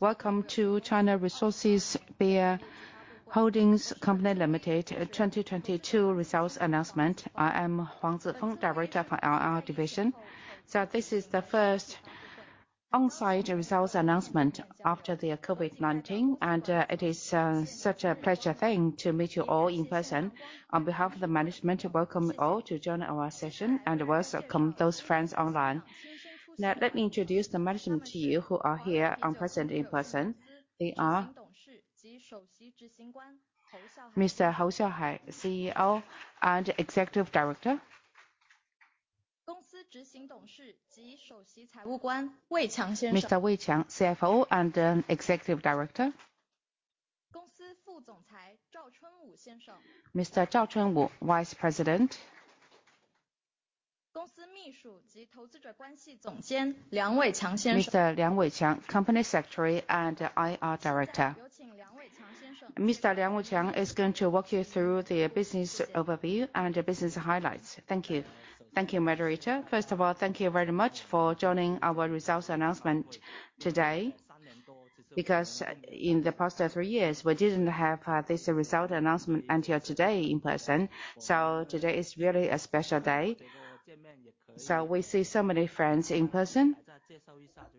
Welcome to China Resources Beer (Holdings) Company Limited 2022 results announcement. I am Huang Zifeng, Director for IR division. This is the first on-site results announcement after the COVID-19, and it is such a pleasure thing to meet you all in person. On behalf of the management, welcome all to join our session. We welcome those friends online. Let me introduce the management to you who are here on present in person. They are Mr. Hou Xiaohai, CEO and Executive Director. Mr. Wei Qiang, CFO and Executive Director. Mr. Zhao Chunwu, Vice President. Mr. Liang Weiqiang, Company Secretary and IR Director. Mr. Liang Weiqiang is going to walk you through the business overview and business highlights. Thank you. Thank you, moderator. Thank you very much for joining our results announcement today, because in the past three years, we didn't have this result announcement until today in person. Today is really a special day. We see so many friends in person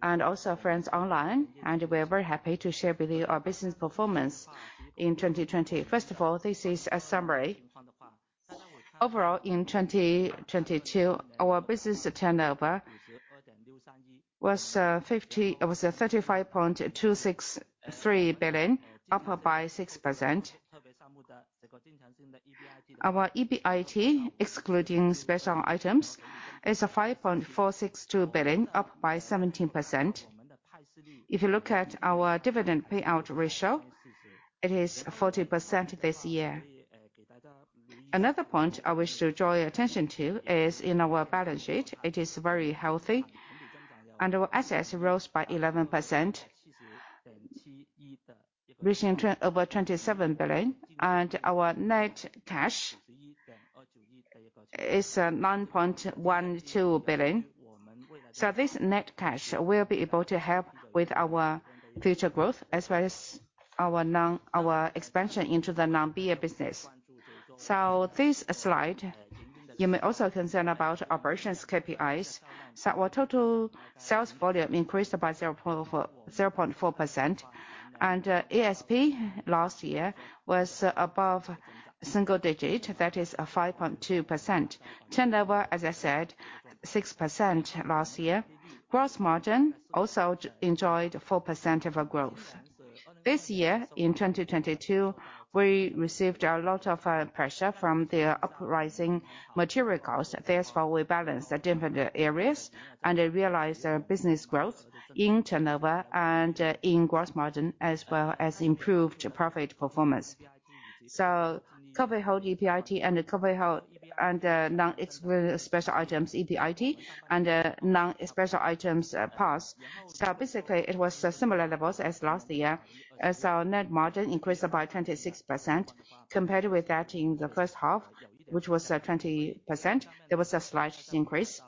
and also friends online, and we're very happy to share with you our business performance in 2020. This is a summary. Overall, in 2022, our business turnover was CNY 35.263 billion, up by 6%. Our EBIT, excluding special items, is 5.462 billion, up by 17%. If you look at our dividend payout ratio, it is 40% this year. Another point I wish to draw your attention to is in our balance sheet. It is very healthy. Our assets rose by 11%, reaching over 27 billion. Our net cash is 9.12 billion. This net cash will be able to help with our future growth as well as our expansion into the non-beer business. This slide, you may also concern about operations KPIs. Our total sales volume increased by 0.4%. ASP last year was above single digit. That is 5.2%. Turnover, as I said, 6% last year. Gross margin also enjoyed 4% of a growth. This year, in 2022, we received a lot of pressure from the uprising material costs. Therefore, we balanced the different areas and realized business growth in turnover and in gross margin as well as improved profit performance. Company-wide EBIT and the company-wide and non-excluded special items EBIT and non-special items PAS. Basically, it was similar levels as last year, as our net margin increased by 26%. Compared with that in the first half, which was 20%, there was a slight increase.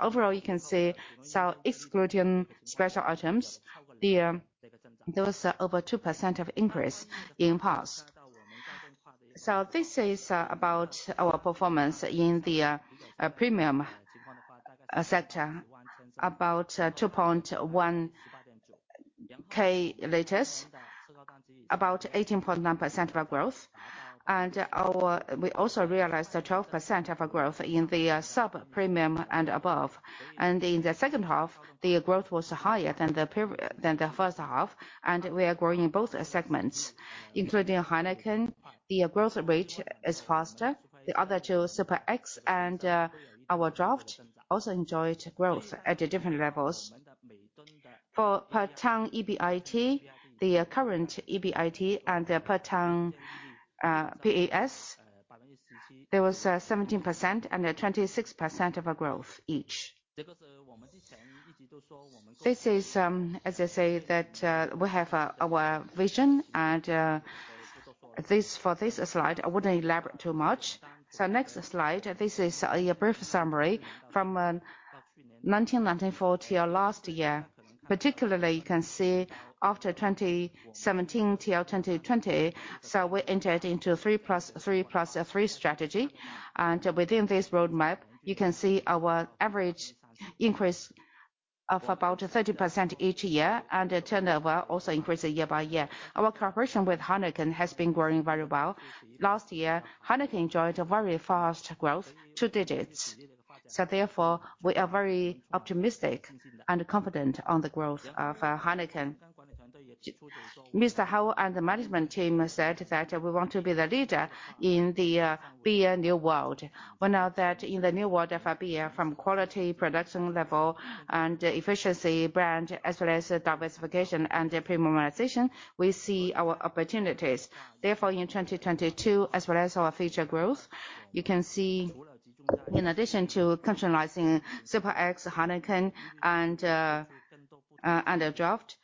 Overall, you can see, excluding special items, there was over 2% of increase in PAS. This is about our performance in the premium sector, about 2.1k liters, about 18.9% of our growth. We also realized that 12% of our growth in the sub-premium and above. In the second half, the growth was higher than the first half, and we are growing both segments, including Heineken. The growth rate is faster. The other two, Super X and our draft, also enjoyed growth at the different levels. For per ton EBIT, the current EBIT and the per ton PAS, there was 17% and 26% of a growth each. This is, as I say, that we have our vision and this, for this slide, I wouldn't elaborate too much. Next slide. This is a brief summary from 1994 till last year. Particularly, you can see after 2017 till 2020, we entered into three plus three plus three strategy. And within this roadmap, you can see our average increase of about 30% each year, and the turnover also increased year by year. Our cooperation with Heineken has been growing very well. Last year, Heineken enjoyed a very fast growth, two digits. Therefore, we are very optimistic and confident on the growth of Heineken. Mr. Hou and the management team has said that we want to be the leader in the beer new world. We know that in the new world of beer, from quality, production level, and efficiency brand, as well as diversification and premiumization, we see our opportunities. Therefore, in 2022, as well as our future growth, you can see in addition to continuing Super X, Heineken and the draft,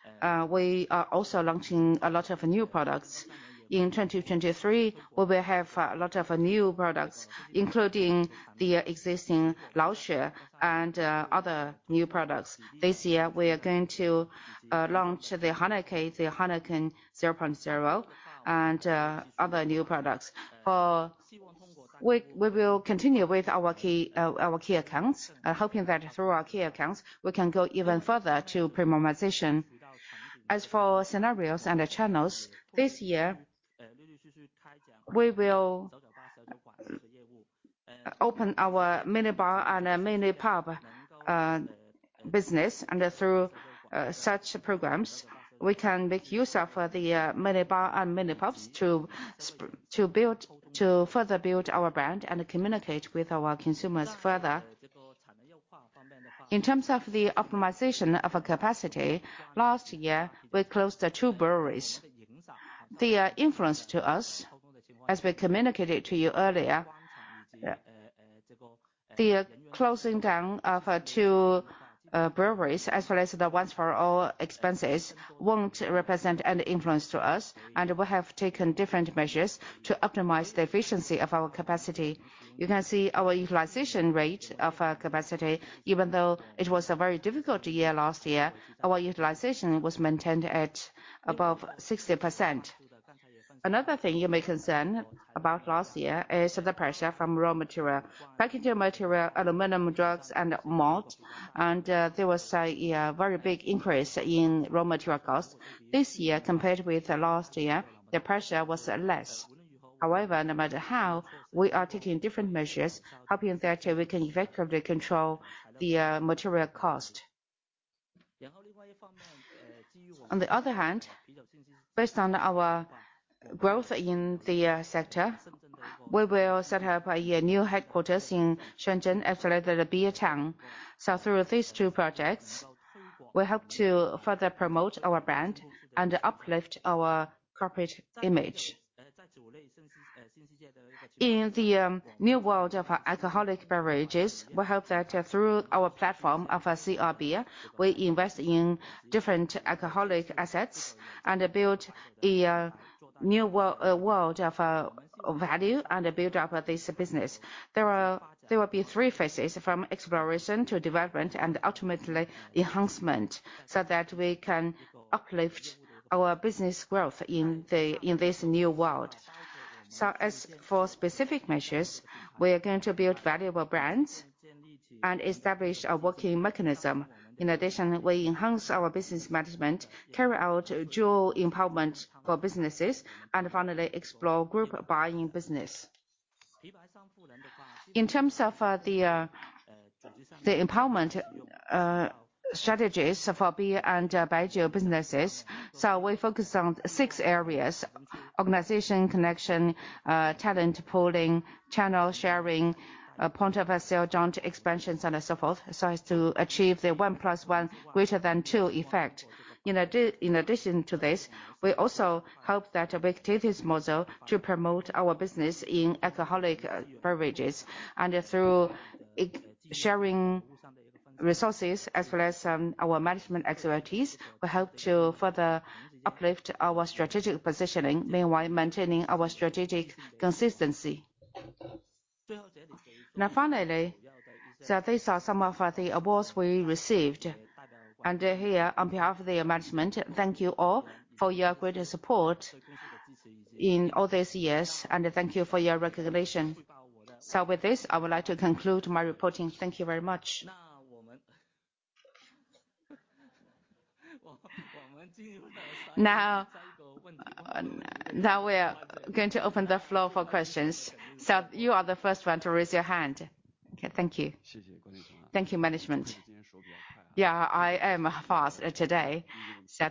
we are also launching a lot of new products. In 2023, we will have a lot of new products, including the existing LaoTze and other new products. This year, we are going to launch the Heineken, the Heineken 0.0, and other new products. We will continue with our key accounts, hoping that through our key accounts we can go even further to premiumization. As for scenarios and the channels, this year, we will open our minibar and mini pub business. Through such programs, we can make use of the minibar and mini pubs to further build our brand and communicate with our consumers further. In terms of the optimization of a capacity, last year, we closed two breweries. The influence to us as we communicated to you earlier, the closing down of two breweries as well as the once for all expenses won't represent any influence to us, and we have taken different measures to optimize the efficiency of our capacity. You can see our utilization rate of capacity, even though it was a very difficult year last year, our utilization was maintained at above 60%. Another thing you may concern about last year is the pressure from raw material, packaging material, aluminum drums and malt, and there was a very big increase in raw material costs. This year compared with last year, the pressure was less. However, no matter how, we are taking different measures, hoping that we can effectively control the material cost. On the other hand, based on our growth in the sector, we will set up a new headquarters in Shenzhen as well as the beer town. So through these two projects, we hope to further promote our brand and uplift our corporate image. In the new world of alcoholic beverages, we hope that through our platform of CR Beer, we invest in different alcoholic assets and build a new world of value and build up this business. There will be three phases from exploration to development and ultimately enhancement, so that we can uplift our business growth in this new world. As for specific measures, we are going to build valuable brands and establish a working mechanism. In addition, we enhance our business management, carry out dual empowerment for businesses and finally explore group buying business. In terms of the empowerment strategies for beer and Baijiu businesses. We focus on six areas: organization, connection, talent pooling, channel sharing, point of sale, joint expansions and so forth, so as to achieve the 1+1 greater than two effect. In addition to this, we also hope that with this model to promote our business in alcoholic beverages and through sharing resources as well as, our management expertise, will help to further uplift our strategic positioning, meanwhile maintaining our strategic consistency. Finally, these are some of the awards we received. Here, on behalf of the management, thank you all for your great support in all these years, and thank you for your recognition. With this, I would like to conclude my reporting. Thank you very much. Now we're going to open the floor for questions. You are the first one to raise your hand. Okay. Thank you. Thank you, management. I am fast today.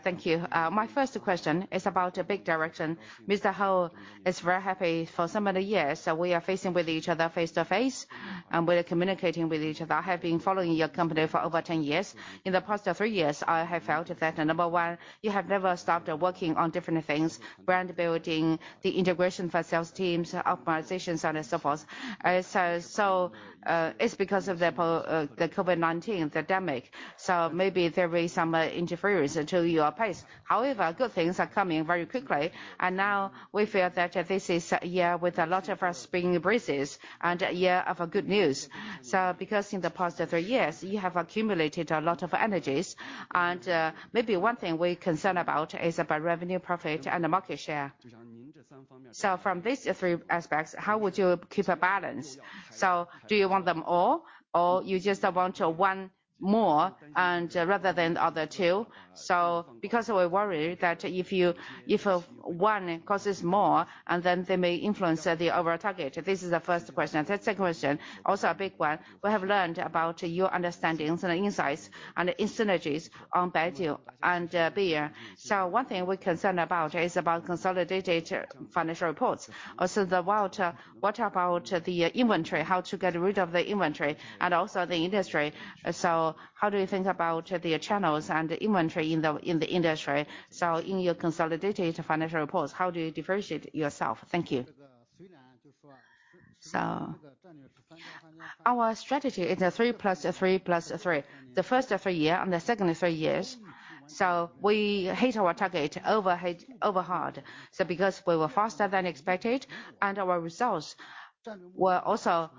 Thank you. My first question is about the big direction. Mr. Hou is very happy for so many years that we are facing with each other face to face, and we are communicating with each other. I have been following your company for over 10 years. In the past three years, I have felt that number one, you have never stopped working on different things, brand building, the integration for sales teams, optimizations and so forth. It's because of the COVID-19 pandemic, so maybe there will be some interference to your pace. However, good things are coming very quickly, and now we feel that this is a year with a lot of spring breezes and a year of good news. Because in the past three years, you have accumulated a lot of energies. Maybe one thing we're concerned about is about revenue profit and the market share. From these three aspects, how would you keep a balance? Do you want them all or you just want one more and rather than the other two? Because we're worried that if you, if one causes more and then they may influence the other target. This is the first question. The second question, also a big one. We have learned about your understandings and insights and the synergies on Baijiu and beer. One thing we're concerned about is about consolidated financial reports. Also the water, what about the inventory? How to get rid of the inventory and also the industry. How do you think about the channels and the inventory in the industry? In your consolidated financial reports, how do you differentiate yourself? Thank you. Our strategy is a three plus three plus three. The first three year and the second three years. We hit our target over hard. Because we were faster than expected, and our results were also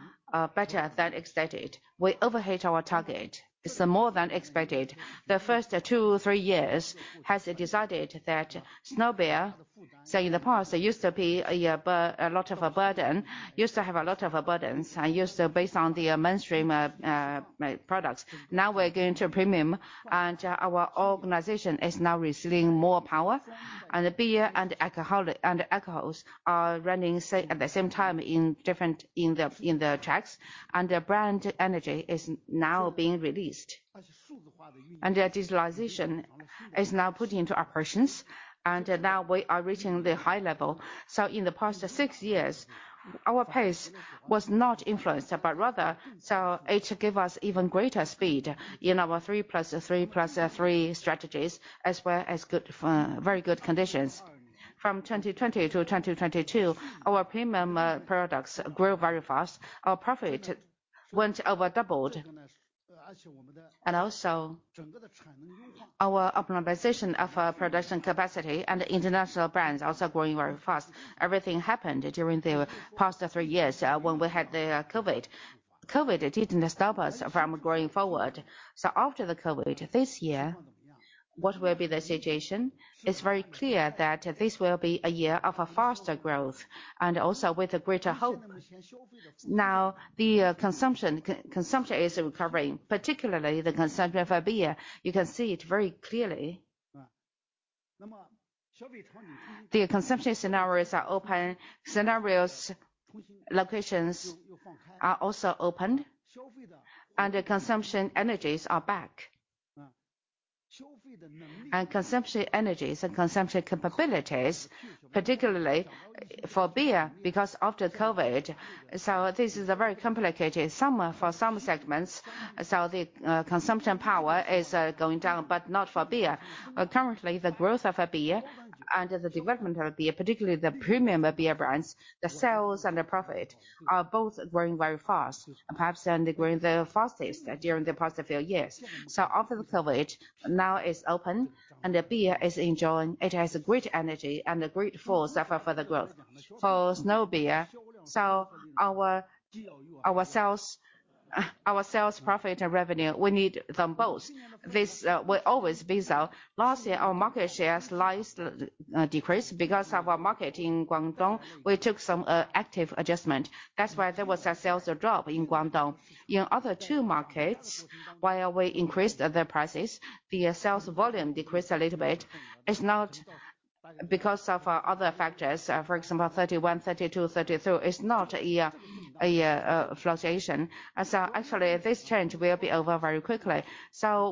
better than expected. We overheat our target. More than expected. The first two, three years has decided that Snow Beer, say in the past, it used to be a lot of a burden. Used to have a lot of burdens and used to based on the mainstream products. Now we're going to premium, and our organization is now receiving more power. The beer and alcohols are running at the same time in different in the tracks. The brand energy is now being released. The digitalization is now put into operations, and now we are reaching the high level. In the past six years, our pace was not influenced, but rather, so it give us even greater speed in our three plus three plus three strategies, as well as good, very good conditions. From 2020 to 2022, our premium products grew very fast. Our profit went over doubled. Our optimization of our production capacity and international brands also growing very fast. Everything happened during the past three years, when we had the COVID. COVID didn't stop us from growing forward. After the COVID, this year, what will be the situation? It's very clear that this will be a year of a faster growth and also with a greater hope. The consumption is recovering, particularly the consumption for beer. You can see it very clearly. The consumption scenarios are open. Scenarios, locations are also opened, the consumption energies are back. Consumption energies and consumption capabilities, particularly for beer, because after COVID, this is a very complicated. Some, for some segments, the consumption power is going down, but not for beer. Currently, the growth of a beer and the development of beer, particularly the premium beer brands, the sales and the profit are both growing very fast. Perhaps they're growing the fastest during the past few years. After the COVID, now it's open and the beer is enjoying. It has a great energy and a great force for the growth. For Snow Beer, our sales profit and revenue, we need them both. This will always be so. Last year, our market shares slightly decreased because our market in Guangdong, we took some active adjustment. That's why there was a sales drop in Guangdong. In other two markets, while we increased the prices, the sales volume decreased a little bit. It's not because of other factors. For example, 31, 32, 33 is not a fluctuation. Actually, this change will be over very quickly.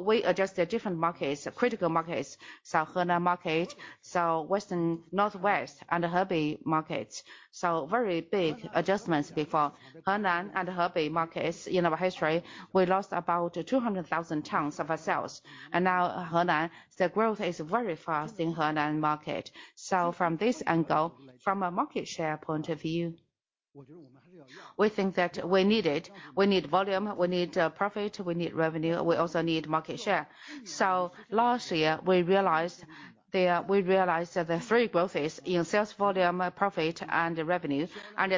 We adjust the different markets, critical markets. Henan market, northwest and Hebei markets. Very big adjustments before. Henan and Hebei markets in our history, we lost about 200,000 tons of our sales. Now Henan, the growth is very fast in Henan market. From this angle, from a market share point of view, we think that we need it, we need volume, we need profit, we need revenue, we also need market share. Last year, we realized that the three growth is in sales volume, profit and revenue.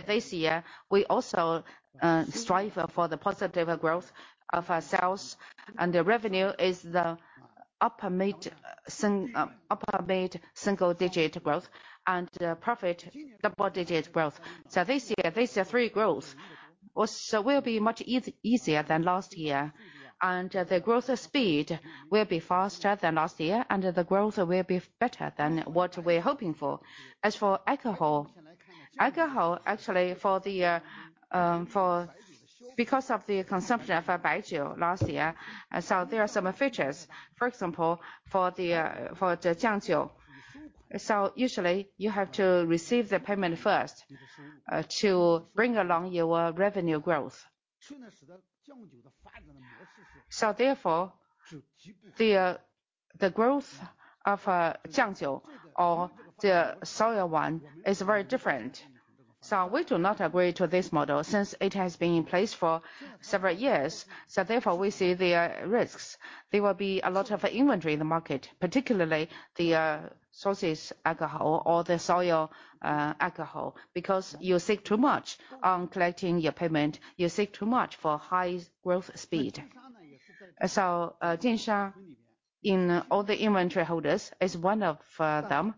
This year, we also strive for the positive growth of our sales. The revenue is the upper mid single digit growth and profit double-digit growth. This year, these are three growth. Also will be much easier than last year. The growth speed will be faster than last year, and the growth will be better than what we're hoping for. As for alcohol, actually, for the because of the consumption of baijiu last year, there are some features. For the Jiangjiu. Usually, you have to receive the payment first, to bring along your revenue growth. Therefore, the growth of Jiangjiu or the Jiangxiang is very different. We do not agree to this model since it has been in place for several years. Therefore, we see the risks. There will be a lot of inventory in the market, particularly the Jiangxiang alcohol or the Jiangxiang alcohol, because you seek too much on collecting your payment, you seek too much for high growth speed. Jinsha in all the inventory holders is one of them.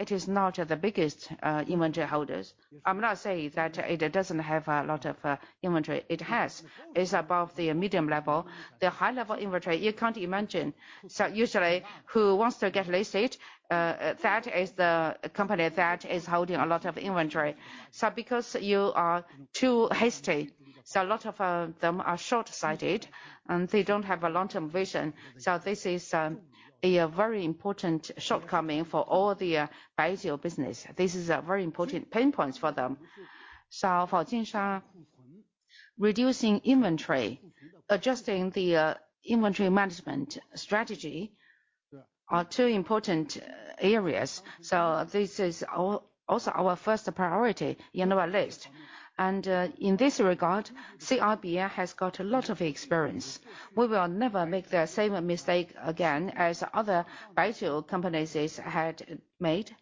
It is not the biggest inventory holders. I'm not saying that it doesn't have a lot of inventory. It has. It's above the medium level. The high level inventory, you can't imagine. Usually, who wants to get listed, that is the company that is holding a lot of inventory. Because you are too hasty, a lot of them are short-sighted, and they don't have a long-term vision. This is a very important shortcoming for all the baijiu business. This is a very important pain points for them. For Jinsha-Reducing inventory, adjusting the inventory management strategy are two important areas. This is also our first priority in our list. In this regard, CR Beer has got a lot of experience. We will never make the same mistake again as other baijiu companies has had made,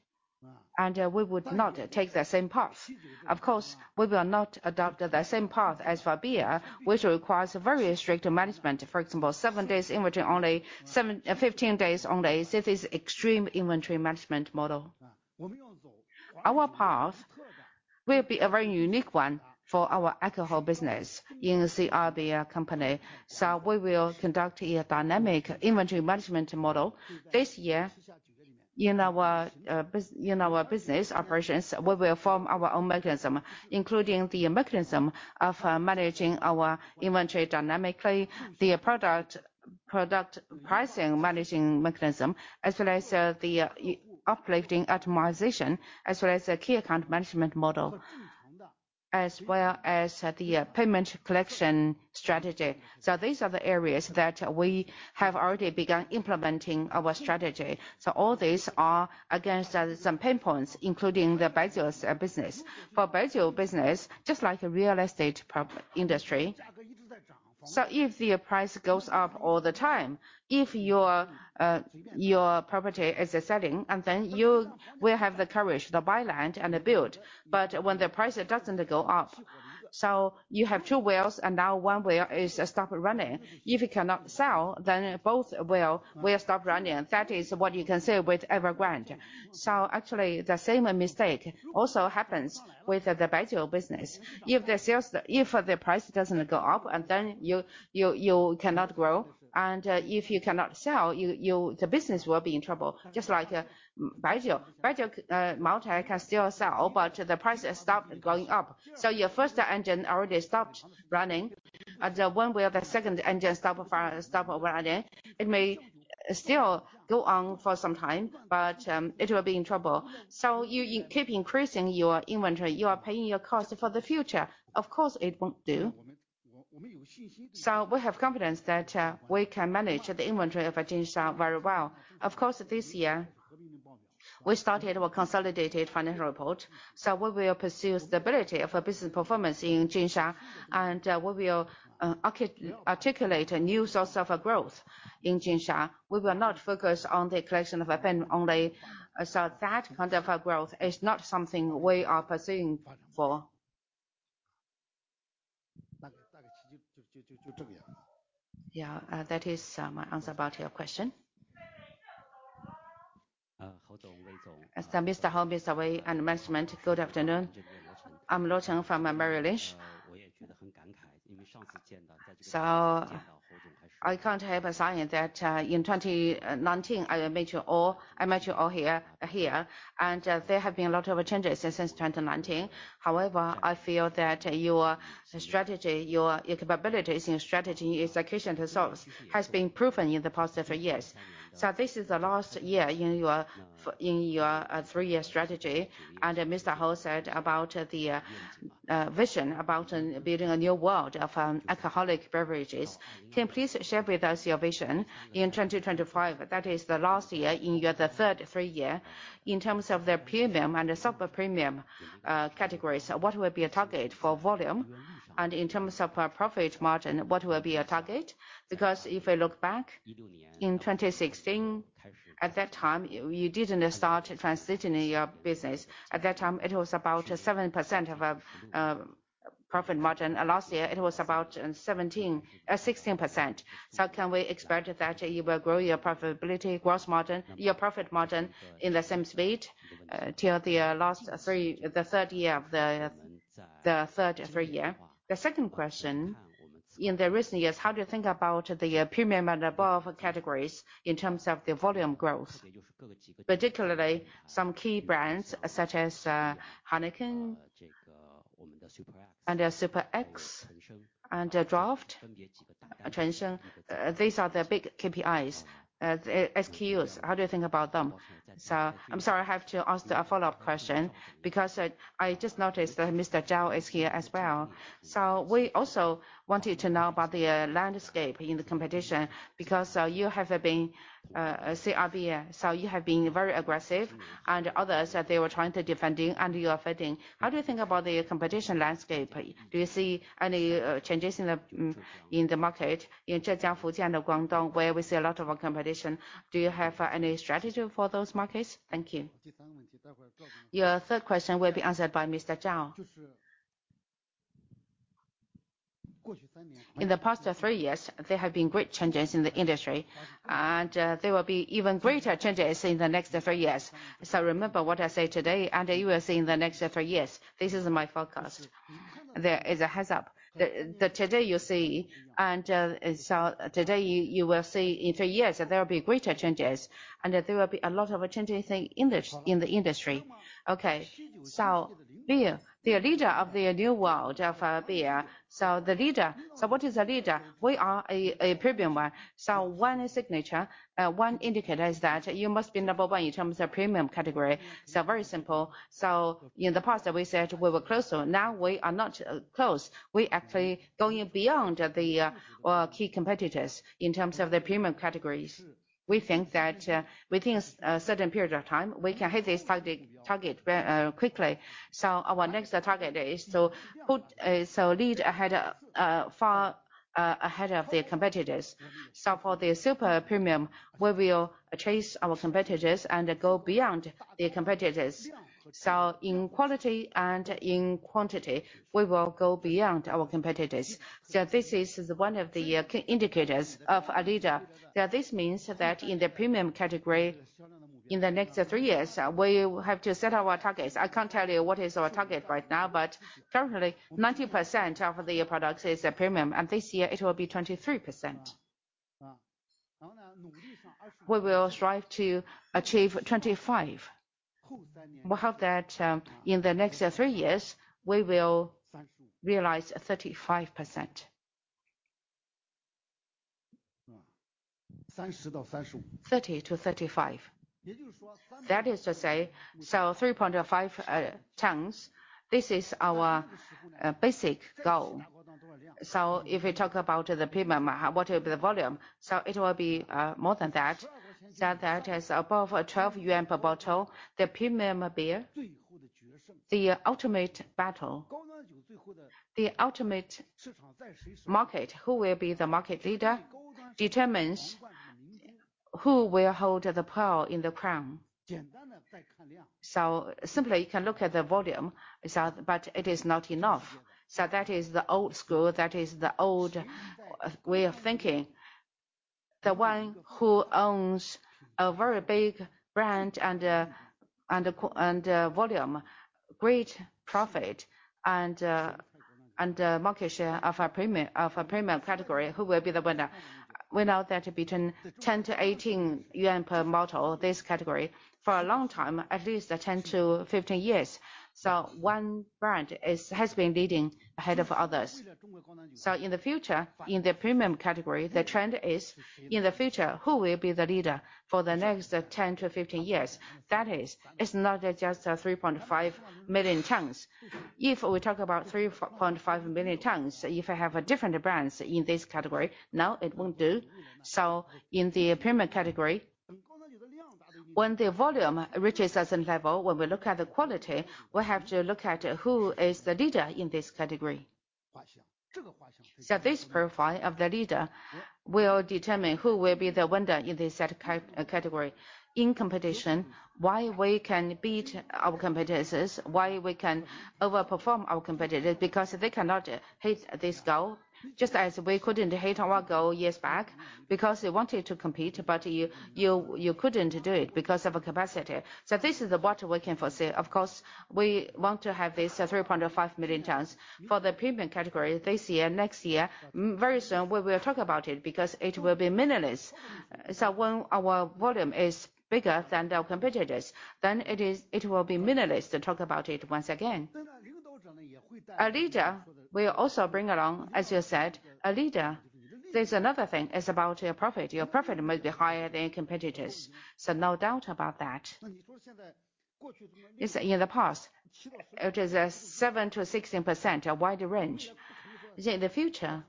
and we would not take the same path. Of course, we will not adopt the same path as Fabia, which requires very strict management. For example, seven days inventory only, 15 days only. This is extreme inventory management model. Our path will be a very unique one for our alcohol business in CR Beer company. We will conduct a dynamic inventory management model this year in our business operations. We will form our own mechanism, including the mechanism of managing our inventory dynamically, the product pricing managing mechanism, as well as the uplifting atomization, as well as the key account management model, as well as the payment collection strategy. These are the areas that we have already begun implementing our strategy. All these are against some pain points, including the baijiu business. For baijiu business, just like real estate industry. If the price goes up all the time, if your property is selling, and then you will have the courage to buy land and then build. When the price doesn't go up, you have two wheels, and now one wheel is stopped running. If you cannot sell, then both wheel will stop running. That is what you can say with Evergrande. Actually, the same mistake also happens with the baijiu business. If the price doesn't go up, and then you cannot grow. And if you cannot sell, the business will be in trouble. Just like baijiu. Baijiu, Moutai can still sell, but the price has stopped going up. Your first engine already stopped running. When will the second engine stop running? It may still go on for some time, but it will be in trouble. You keep increasing your inventory. You are paying your cost for the future. Of course, it won't do. We have confidence that we can manage the inventory of Jinsha very well. Of course, this year, we started our consolidated financial report. We will pursue stability of our business performance in Jinsha, and we will articulate a new source of growth in Jinsha. We will not focus on the collection of append only. That kind of growth is not something we are pursuing for. Yeah, that is my answer about your question. Mr. Hou, Mr. Wei, and management, good afternoon. I'm Lu Cheng from Merrill Lynch. I can't help assigning that in 2019, I met you all here, and there have been a lot of changes since 2019. However, I feel that your strategy, your capabilities in strategy execution results has been proven in the past several years. This is the last year in your three-year strategy. Mr. Hou said about the vision about building a new world of alcoholic beverages. Can you please share with us your vision in 2025? That is the last year in the third three year. In terms of the premium and the super premium categories, what will be a target for volume? In terms of profit margin, what will be a target? If I look back, in 2016, at that time, you didn't start transitioning your business. At that time, it was about 7% of profit margin. Last year, it was about 16%. Can we expect that you will grow your profitability gross margin, your profit margin in the same speed till the third year of the third, three-year? The second question, in the recent years, how do you think about the premium and above categories in terms of the volume growth? Particularly some key brands such as Heineken, Super X, and Draft, Qiangsheng. These are the big KPIs, SKUs. How do you think about them? I'm sorry, I have to ask a follow-up question because I just noticed that Mr. Zhao is here as well. We also wanted to know about the landscape in the competition because you have been CRB, so you have been very aggressive and others they were trying to defending and you are offending. How do you think about the competition landscape? Do you see any changes in the market in Zhejiang, Fujian, or Guangdong, where we see a lot of our competition? Do you have any strategy for those markets? Thank you. Your third question will be answered by Mr. Zhao. In the past three years, there have been great changes in the industry, and there will be even greater changes in the next three years. Remember what I say today, and you will see in the next three years, this is my forecast. There is a heads up. Today you see, and today you will see in three years, there will be greater changes, and there will be a lot of changes in this, in the industry. Okay. Beer, the leader of the new world of beer. The leader. What is a leader? We are a premium one. One signature, one indicator is that you must be number one in terms of premium category. Very simple. In the past that we said we were closer, now we are not close. We actually going beyond the key competitors in terms of the premium categories. We think that within a certain period of time, we can hit this target quickly. Our next target is to lead ahead, far ahead of the competitors. For the super premium, we will chase our competitors and go beyond the competitors. In quality and in quantity, we will go beyond our competitors. This is one of the key indicators of a leader. This means that in the premium category, in the next three years, we have to set our targets. I can't tell you what is our target right now, but currently 90% of the products is a premium, and this year it will be 23%. We will strive to achieve 25%. We hope that, in the next three years, we will realize 35%. 30%-35%. That is to say, so 3.5 tons. This is our basic goal. If we talk about the premium, what will be the volume? It will be more than that is above 12 yuan per bottle, the premium beer. The ultimate battle. The ultimate market, who will be the market leader determines who will hold the pearl in the crown. Simply, you can look at the volume, but it is not enough. That is the old school, that is the old way of thinking. The one who owns a very big brand and volume, great profit, and market share of a premium category, who will be the winner? We know that between 10-18 yuan per bottle, this category, for a long time, at least 10-15 years. In the future, in the premium category, the trend is, in the future, who will be the leader for the next 10-15 years? That is, it's not just 3.5 million tons. If we talk about 3.5 million tons, if you have a different brands in this category, no, it won't do. In the premium category, when the volume reaches a certain level, when we look at the quality, we have to look at who is the leader in this category. This profile of the leader will determine who will be the winner in this category. In competition, why we can beat our competitors, why we can over perform our competitors, because they cannot hit this goal, just as we couldn't hit our goal years back, because they wanted to compete, but you couldn't do it because of capacity. This is what we can foresee. Of course, we want to have this 3.5 million tons. For the premium category this year, next year, very soon, we will talk about it because it will be meaningless. When our volume is bigger than the competitors, then it will be meaningless to talk about it once again. A leader will also bring along, as you said, a leader. There's another thing, it's about your profit. Your profit must be higher than your competitors. No doubt about that. Is in the past, it is 7%-16%, a wide range. In the future,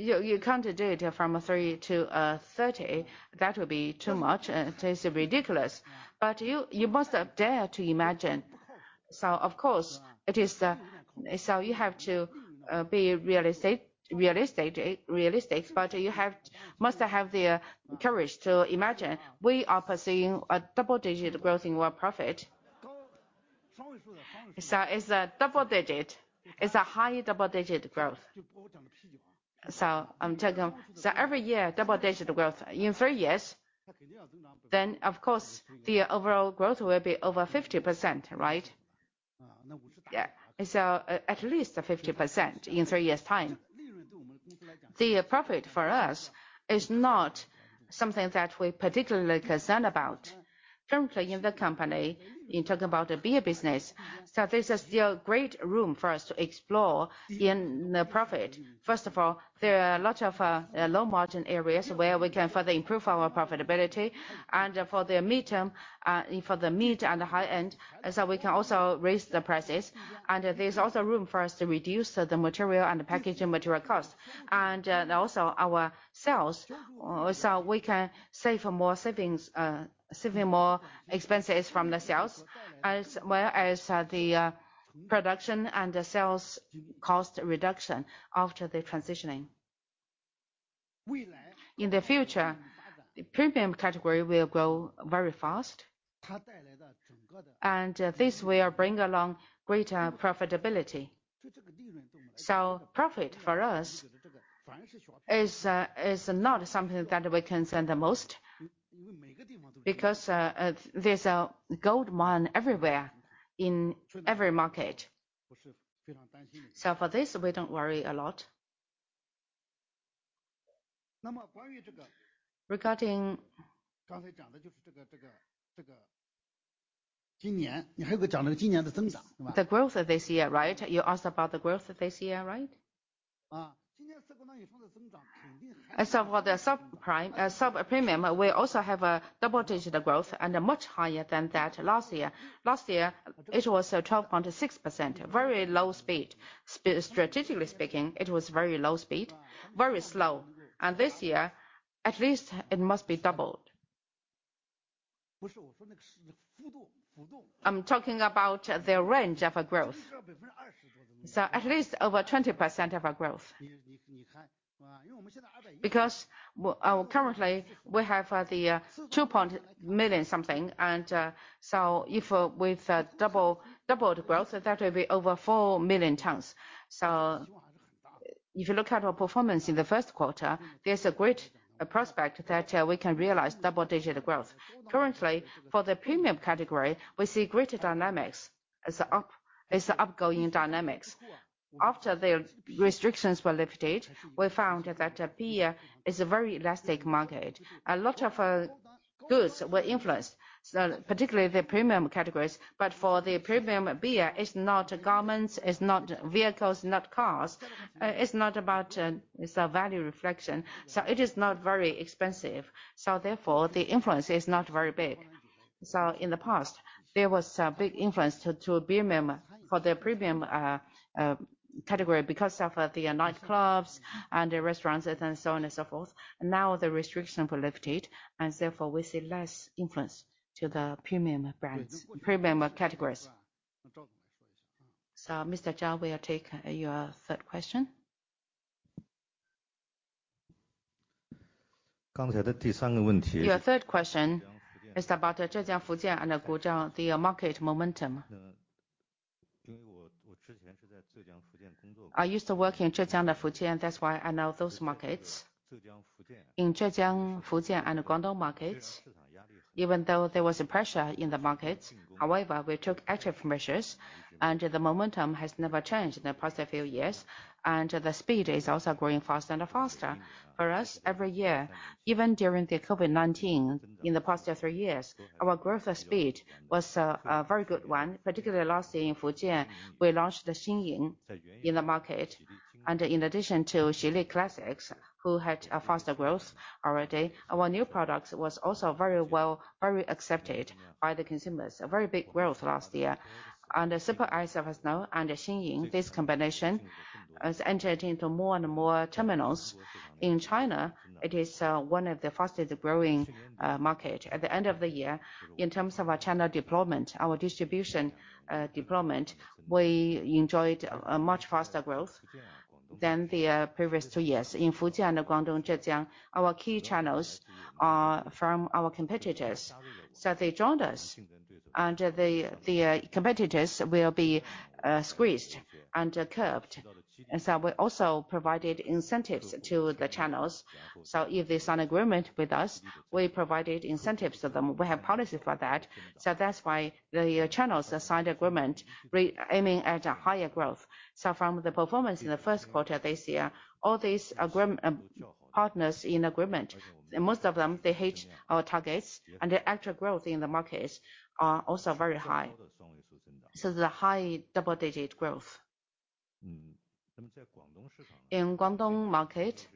you can't do it from 3-30. That would be too much. It is ridiculous. You must dare to imagine. Of course, it is... You have to be realistic, but you must have the courage to imagine. We are pursuing a double-digit growth in our profit. It's a double digit. It's a high double-digit growth. I'm talking every year, double-digit growth. In three years, of course, the overall growth will be over 50%, right? Yeah. At least 50% in three years' time. The profit for us is not something that we're particularly concerned about. Currently in the company, in talking about the beer business. This is still great room for us to explore in the profit. First of all, there are a lot of low margin areas where we can further improve our profitability. For the midterm, for the mid and the high end, we can also raise the prices. There's also room for us to reduce the material and the packaging material cost. Also our sales. We can save more savings, saving more expenses from the sales, as well as, the production and the sales cost reduction after the transitioning. In the future, the premium category will grow very fast. This will bring along greater profitability. Profit for us is not something that we concern the most. Because, there's a gold mine everywhere in every market. For this, we don't worry a lot. Regarding the growth of this year, right? You asked about the growth of this year, right? As of for the subprime subpremium, we also have a double-digit growth and a much higher than that last year. Last year, it was 12.6%, very low speed. Strategically speaking, it was very low speed, very slow. This year, at least it must be doubled. I'm talking about the range of a growth. At least over 20% of our growth. Currently we have the two point million something, and if we've double the growth, that will be over 4 million tons. If you look at our performance in the first quarter, there's a great prospect that we can realize double-digit growth. Currently, for the premium category, we see greater dynamics as the upcoming dynamics. After the restrictions were lifted, we found that beer is a very elastic market. A lot of goods were influenced, so particularly the premium categories. For the premium beer, it's not garments, it's not vehicles, not cars. It's not about, it's a value reflection, so it is not very expensive. Therefore, the influence is not very big. In the past, there was a big influence to beer minimum for the premium category because of the nightclubs and the restaurants and so on and so forth. Now the restriction were lifted, and therefore we see less influence to the premium brands, premium categories. Mr. Zhao will take your third question. Your third question is about Zhejiang, Fujian and Guizhou, the market momentum. I used to work in Zhejiang and Fujian, that's why I know those markets. In Zhejiang, Fujian, and Guangdong markets, even though there was a pressure in the markets, however, we took active measures and the momentum has never changed in the past few years, and the speed is also growing faster and faster. For us, every year, even during the COVID-19 in the past three years, our growth speed was a very good one, particularly last year in Fujian, we launched the Xinying in the market. In addition to Shi Li Classics, who had a faster growth already, our new product was also very well, very accepted by the consumers. A very big growth last year. The SuperX, as I've known, and the Xinying, this combination has entered into more and more terminals. In China, it is one of the fastest growing market. At the end of the year, in terms of our channel deployment, our distribution deployment, we enjoyed a much faster growth than the previous two years. In Fujian, Guangdong, Zhejiang, our key channels are from our competitors. They joined us, and the competitors will be squeezed and curbed. We also provided incentives to the channels. If they sign agreement with us, we provided incentives to them. We have policy for that. That's why the channels signed agreement aiming at a higher growth. From the performance in the first quarter this year, all these partners in agreement, most of them, they hit our targets and the actual growth in the markets are also very high. It's a high double-digit growth. In Guangdong market,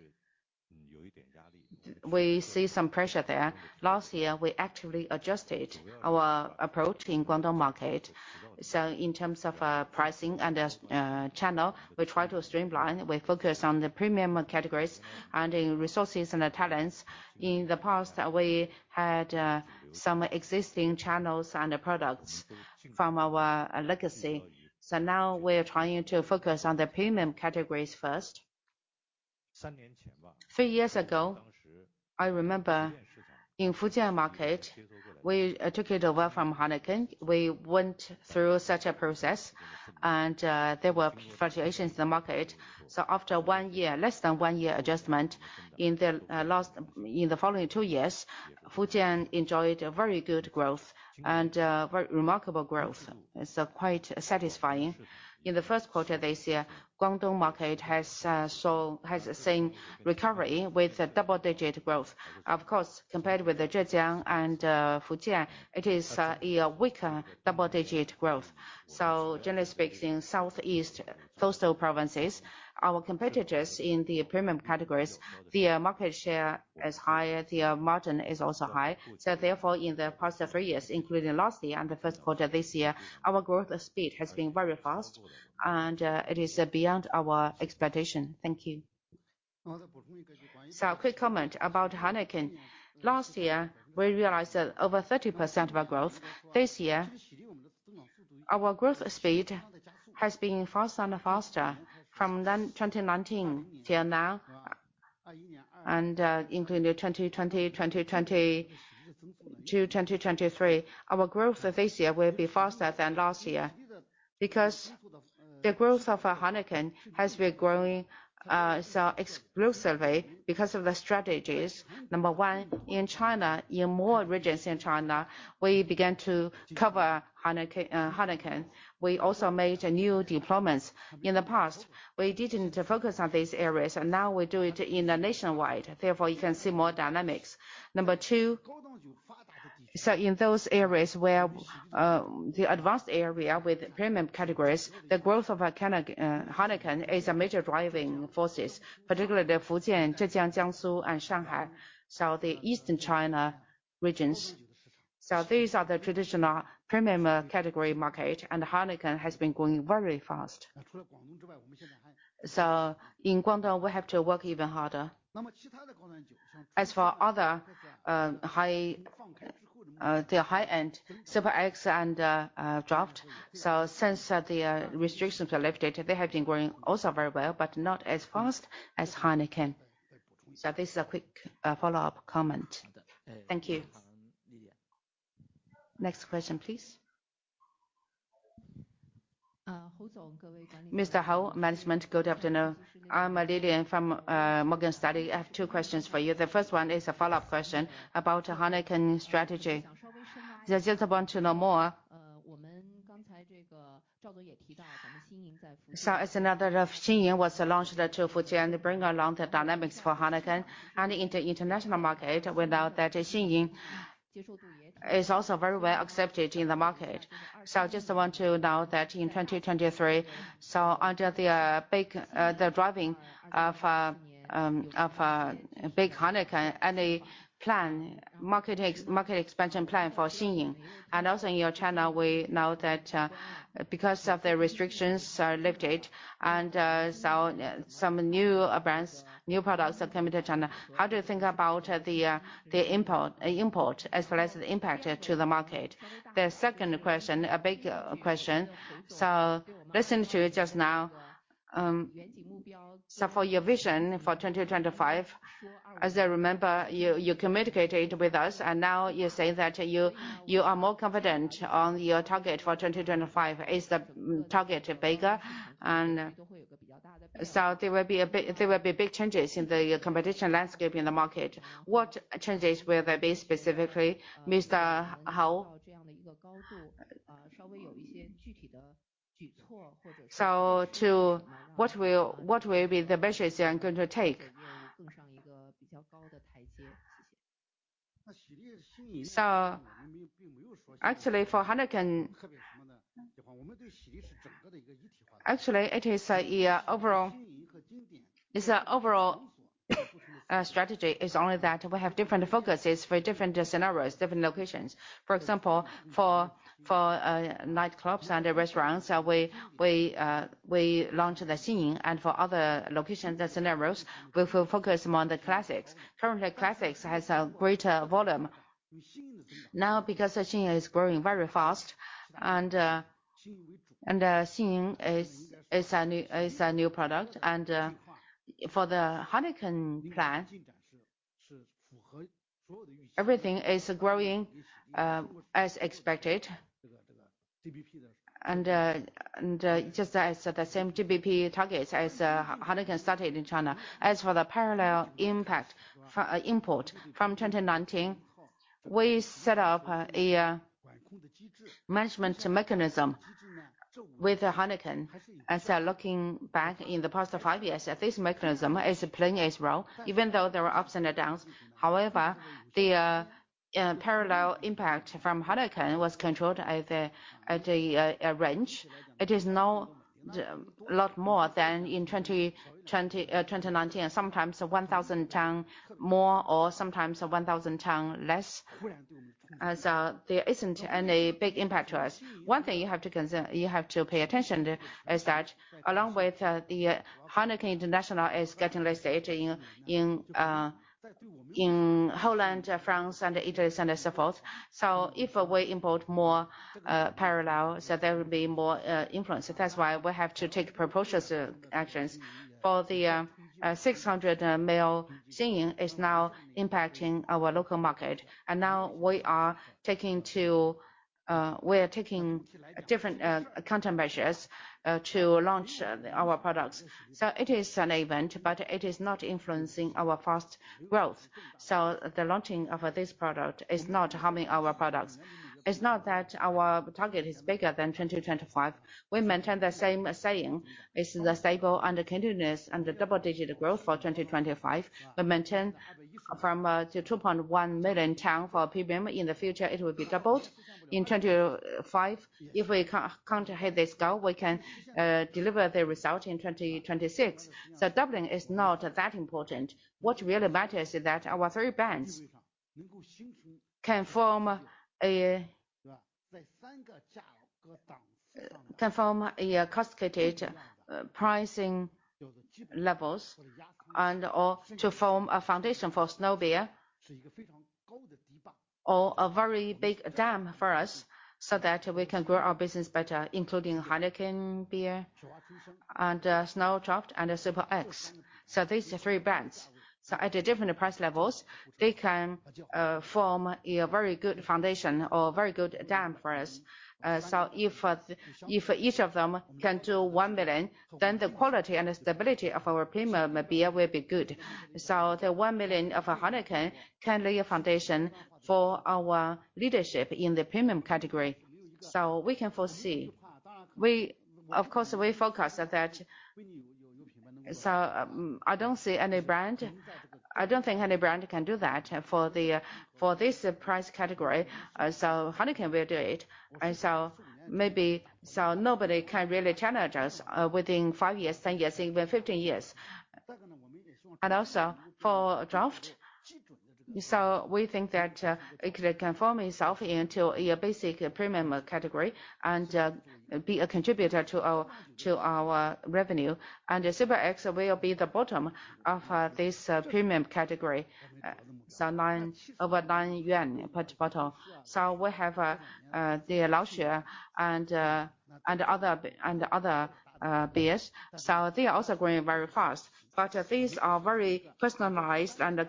we see some pressure there. Last year, we actively adjusted our approach in Guangdong market. In terms of pricing and channel, we try to streamline. We focus on the premium categories and in resources and the talents. In the past, we had some existing channels and products from our legacy. Now we're trying to focus on the premium categories first. Three years ago, I remember in Fujian market, we took it over from Heineken. We went through such a process, and there were fluctuations in the market. After one year, less than one year adjustment in the following two years, Fujian enjoyed a very good growth and very remarkable growth. It's quite satisfying. In the 1st quarter this year, Guangdong market has seen recovery with a double-digit growth. Of course, compared with the Zhejiang and Fujian, it is a weaker double-digit growth. Generally speaking, southeast coastal provinces, our competitors in the premium categories, their market share is higher, their margin is also high. Therefore, in the past three years, including last year and the first quarter this year, our growth speed has been very fast, and it is beyond our expectation. Thank you. Quick comment about Heineken. Last year, we realized that over 30% of our growth. This year, our growth speed has been faster and faster from then, 2019 till now, including 2020 to 2023. Our growth this year will be faster than last year. Because the growth of Heineken has been growing so exclusively because of the strategies. Number one, in China, in more regions in China, we began to cover Heineken. We also made new deployments. In the past, we didn't focus on these areas, and now we do it in the nationwide, therefore you can see more dynamics. Number two, in those areas where the advanced area with premium categories, the growth of Heineken is a major driving forces, particularly the Fujian, Zhejiang, Jiangsu and Shanghai. The Eastern China regions. These are the traditional premium category market, and Heineken has been growing very fast. In Guangdong, we have to work even harder. As for other high-end Super X and draft. Since the restrictions were lifted, they have been growing also very well, but not as fast as Heineken. This is a quick follow-up comment. Thank you. Next question, please. Mr. Hao, management, good afternoon. I'm Lillian from Morgan Stanley. I have two questions for you. The first one is a follow-up question about the Heineken strategy. Just want to know more. As another of Tsingtao was launched to Fujian to bring along the dynamics for Heineken and in the international market, we know that Tsingtao is also very well accepted in the market. Just want to know that in 2023, under the driving of big Heineken and a plan, market expansion plan for Tsingtao, also in your channel, we know that because of the restrictions are lifted and some new brands, new products are coming to China. How do you think about the import as well as the impact to the market? The second question, a big question. Listening to you just now, for your vision for 2025, as I remember, you communicated with us, and now you are more confident on your target for 2025. Is the target bigger? There will be big changes in the competition landscape in the market. What changes will there be specifically, Mr. Hao? What will be the measures you are going to take? Actually, for Heineken. Actually, it is a overall, it's an overall strategy. It's only that we have different focuses for different scenarios, different locations. For example, for nightclubs and restaurants, we launch the Tsingtao. For other locations and scenarios, we focus more on the Classics. Currently, Classics has a greater volume. Now, because Tsingtao is growing very fast and Tsingtao is a new product. For the Heineken plan, everything is growing as expected. Just as the same GBP targets as Heineken started in China. As for the parallel impact from import from 2019, we set up a management mechanism with Heineken. Looking back in the past five years, this mechanism is playing its role, even though there were ups and downs. The parallel impact from Heineken was controlled at a range. It is now a lot more than in 2020, 2019, and sometimes 1,000 tons more or sometimes 1,000 tons less, there isn't any big impact to us. One thing you have to pay attention to is that along with the Heineken International is getting listed in Holland, France and Italy and so forth. If we import more parallel, there will be more influence. We have to take proportionate actions. 600 ml Tsingtao is now impacting our local market. Now we are taking different, counter measures, to launch, our products. It is an event, but it is not influencing our fast growth. The launching of this product is not harming our products. It's not that our target is bigger than 2025. We maintain the same saying. It's the stable and continuous and the double-digit growth for 2025. We maintain from, 2.1 million tons for PPM. In the future, it will be doubled. In 2025, if we can't hit this goal, we can, deliver the result in 2026. Doubling is not that important. What really matters is that our three brands can form a cascaded pricing levels and or to form a foundation for Snow Beer or a very big dam for us, so that we can grow our business better, including Heineken beer and Snow Draft and SuperX. These are three brands. At the different price levels, they can form a very good foundation or a very good dam for us. If each of them can do 1 million, then the quality and the stability of our premium beer will be good. The 1 million of Heineken can lay a foundation for our leadership in the premium category. We can foresee. Of course, we focus at that. I don't think any brand can do that for this price category. Heineken will do it. Maybe nobody can really challenge us within five years, 10 years, even 15 years. For draft. We think that it could conform itself into a basic premium category and be a contributor to our revenue. The Super X will be the bottom of this premium category. Over nine CNY per bottle. We have the Laoya and other beers. They are also growing very fast. These are very personalized and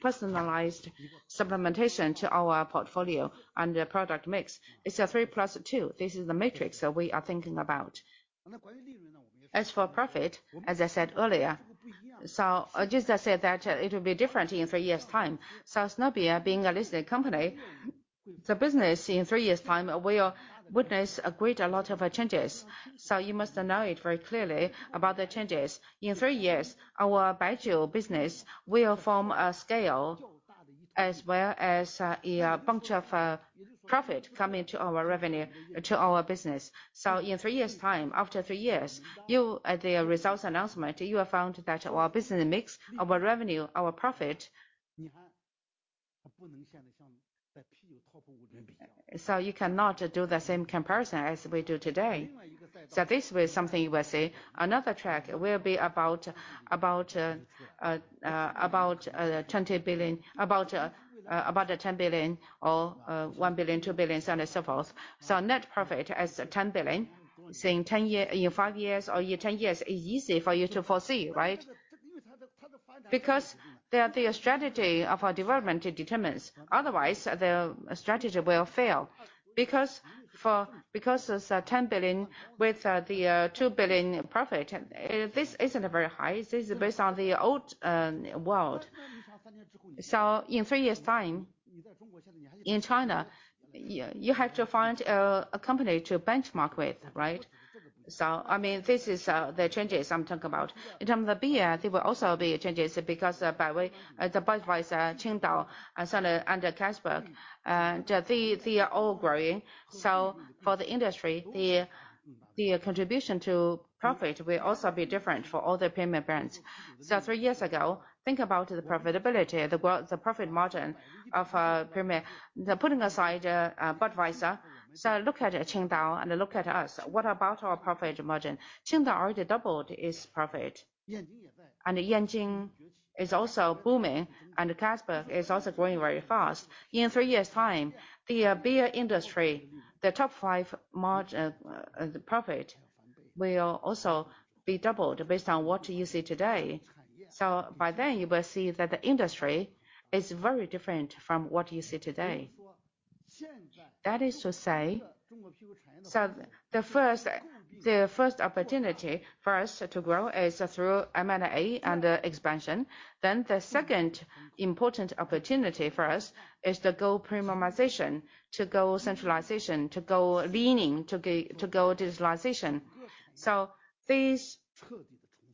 personalized supplementation to our portfolio and product mix. It's a three plus two. This is the matrix that we are thinking about. As for profit, as I said earlier, just I said that it will be different in three years' time. Snow Beer being a listed company, the business in three years' time will witness a great lot of changes. You must know it very clearly about the changes. In three years, our Baijiu business will form a scale as well as a bunch of profit coming to our revenue, to our business. In three years' time, after three years, at the results announcement, you have found that our business mix, our revenue, our profit... You cannot do the same comparison as we do today. This way, something you will see, another track will be about 20 billion about 10 billion or 1 billion, 2 billion, so on and so forth. Net profit as 10 billion in five years or in 10 years is easy for you to foresee, right? The strategy of our development determines, otherwise the strategy will fail. It's 10 billion with the 2 billion profit, this isn't very high. This is based on the old world. In three years' time, in China, you have to find a company to benchmark with, right? I mean, this is the changes I'm talking about. In terms of beer, there will also be changes because Budweiser, Tsingtao and so on, and Carlsberg, they are all growing. For the industry, the contribution to profit will also be different for all the premium brands. Three years ago, think about the profitability, the profit margin of premium. Putting aside Budweiser. Look at Tsingtao and look at us. What about our profit margin? Tsingtao already doubled its profit. Yanjing is also booming, and Carlsberg is also growing very fast. In three years' time, the beer industry, the top five margin, profit will also be doubled based on what you see today. By then, you will see that the industry is very different from what you see today. That is to say. The first opportunity for us to grow is through M&A and expansion. The second important opportunity for us is to go premiumization, to go centralization, to go leaning, to go digitalization. This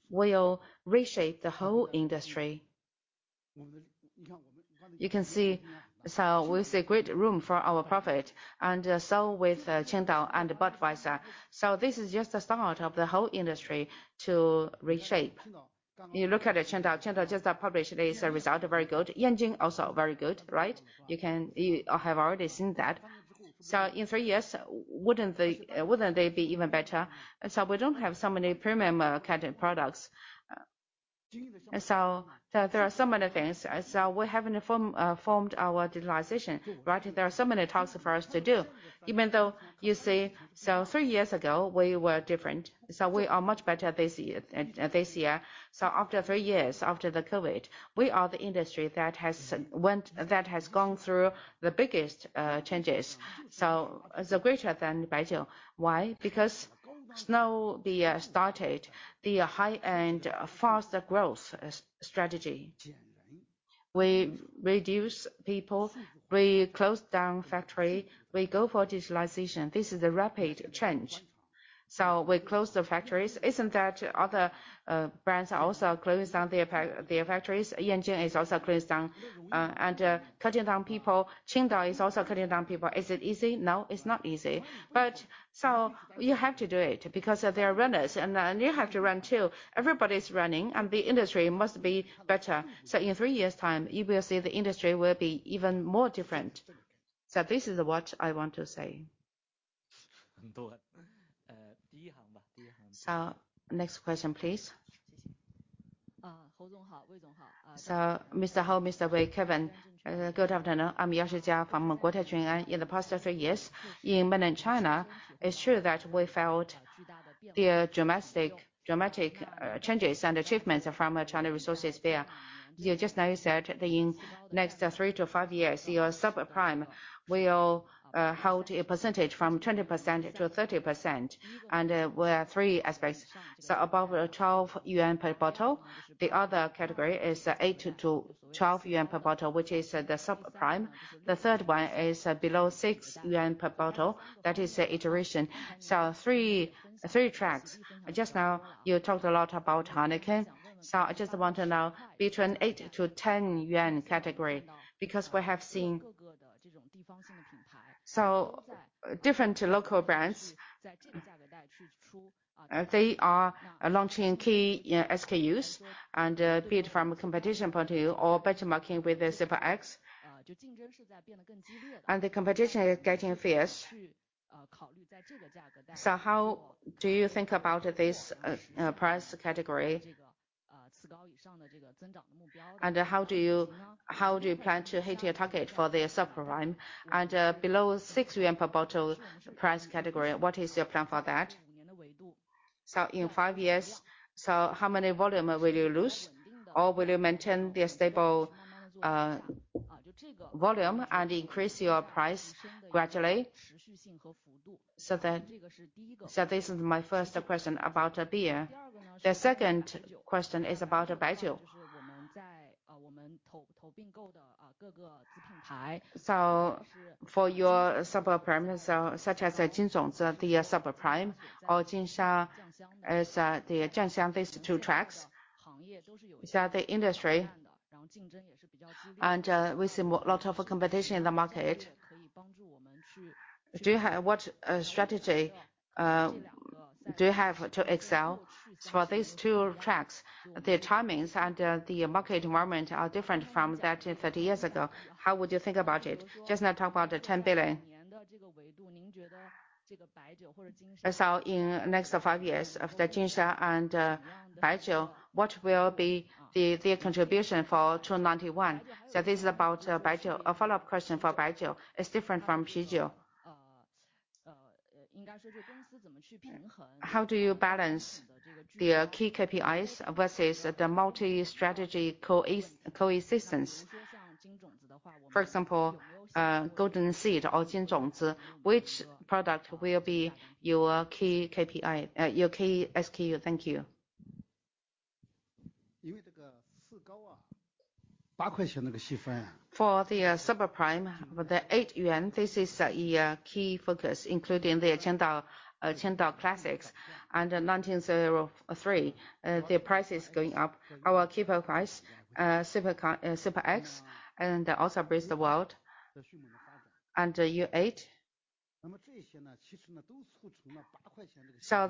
will reshape the whole industry. You can see, we see great room for our profit and so with Tsingtao and Budweiser. This is just the start of the whole industry to reshape. You look at Tsingtao. Tsingtao just published its result. Very good. Yanjing also very good, right? You have already seen that. In three years, wouldn't they be even better? We don't have so many premium kind of products. There are so many things. We haven't formed our digitalization, right? There are so many tasks for us to do. Even though you see, three years ago, we were different. We are much better this year. After three years, after the COVID, we are the industry that has gone through the biggest changes. It's greater than Baijiu. Why? Because Snow Beer started the high-end faster growth as strategy. We reduce people, we close down factory, we go for digitalization. This is a rapid change. We close the factories. Isn't that other brands are also closing down their factories? Yanjing is also closed down, and cutting down people. Tsingtao is also cutting down people. Is it easy? No, it's not easy. You have to do it because they are runners, and then you have to run too. Everybody's running, and the industry must be better. In three years' time, you will see the industry will be even more different. This is what I want to say. Next question, please. So Mr. Hou, Mr. Wei, Kevin, good afternoon. I'm Yoshi Jia from Guotai Junan. In the past three years, in China, it's true that we felt the dramatic changes and achievements from China Resources Beer. You just now said that in next three to five years, your super prime will hold a percentage from 20% to 30%. Were three aspects. Above are 12 yuan per bottle. The other category is 8-12 yuan per bottle, which is the sub-premium. The third one is below 6 yuan per bottle. That is the iteration. Three tracks. Just now, you talked a lot about Heineken. I just want to know between 8-10 yuan category, because we have seen so different local brands, they are launching key SKUs, and be it from a competition point of view or benchmarking with Super X. The competition is getting fierce. How do you think about this price category? How do you, how do you plan to hit your target for the sub-premium? Below 6 per bottle price category, what is your plan for that? In five years, how many volume will you lose? Will you maintain the stable volume and increase your price gradually? This is my first question about beer. The second question is about Baijiu. For your sub-prime, such as Jinzhongzi, the sub-prime, or Jinsha is the Jiangxiang, these two tracks. The industry, and we see lot of competition in the market. What strategy do you have to excel for these two tracks? The timings and the market environment are different from 30 years ago. How would you think about it? Just now talk about the 10 billion. In next to five years of the Jinsha and Baijiu, what will be the contribution for Chuan 91? This is about Baijiu. A follow-up question for Baijiu. It's different from Pijiu. How do you balance the key KPIs versus the multi-strategy coexistence? For example, Golden Seed or Jinzhongzi, which product will be your key KPI, your key SKU? Thank you. For the sub-prime, with the 8 yuan, this is a key focus, including the Tsingtao Classic and 1903. Their price is going up. Our key price, Super X, and also Brave the World. U8.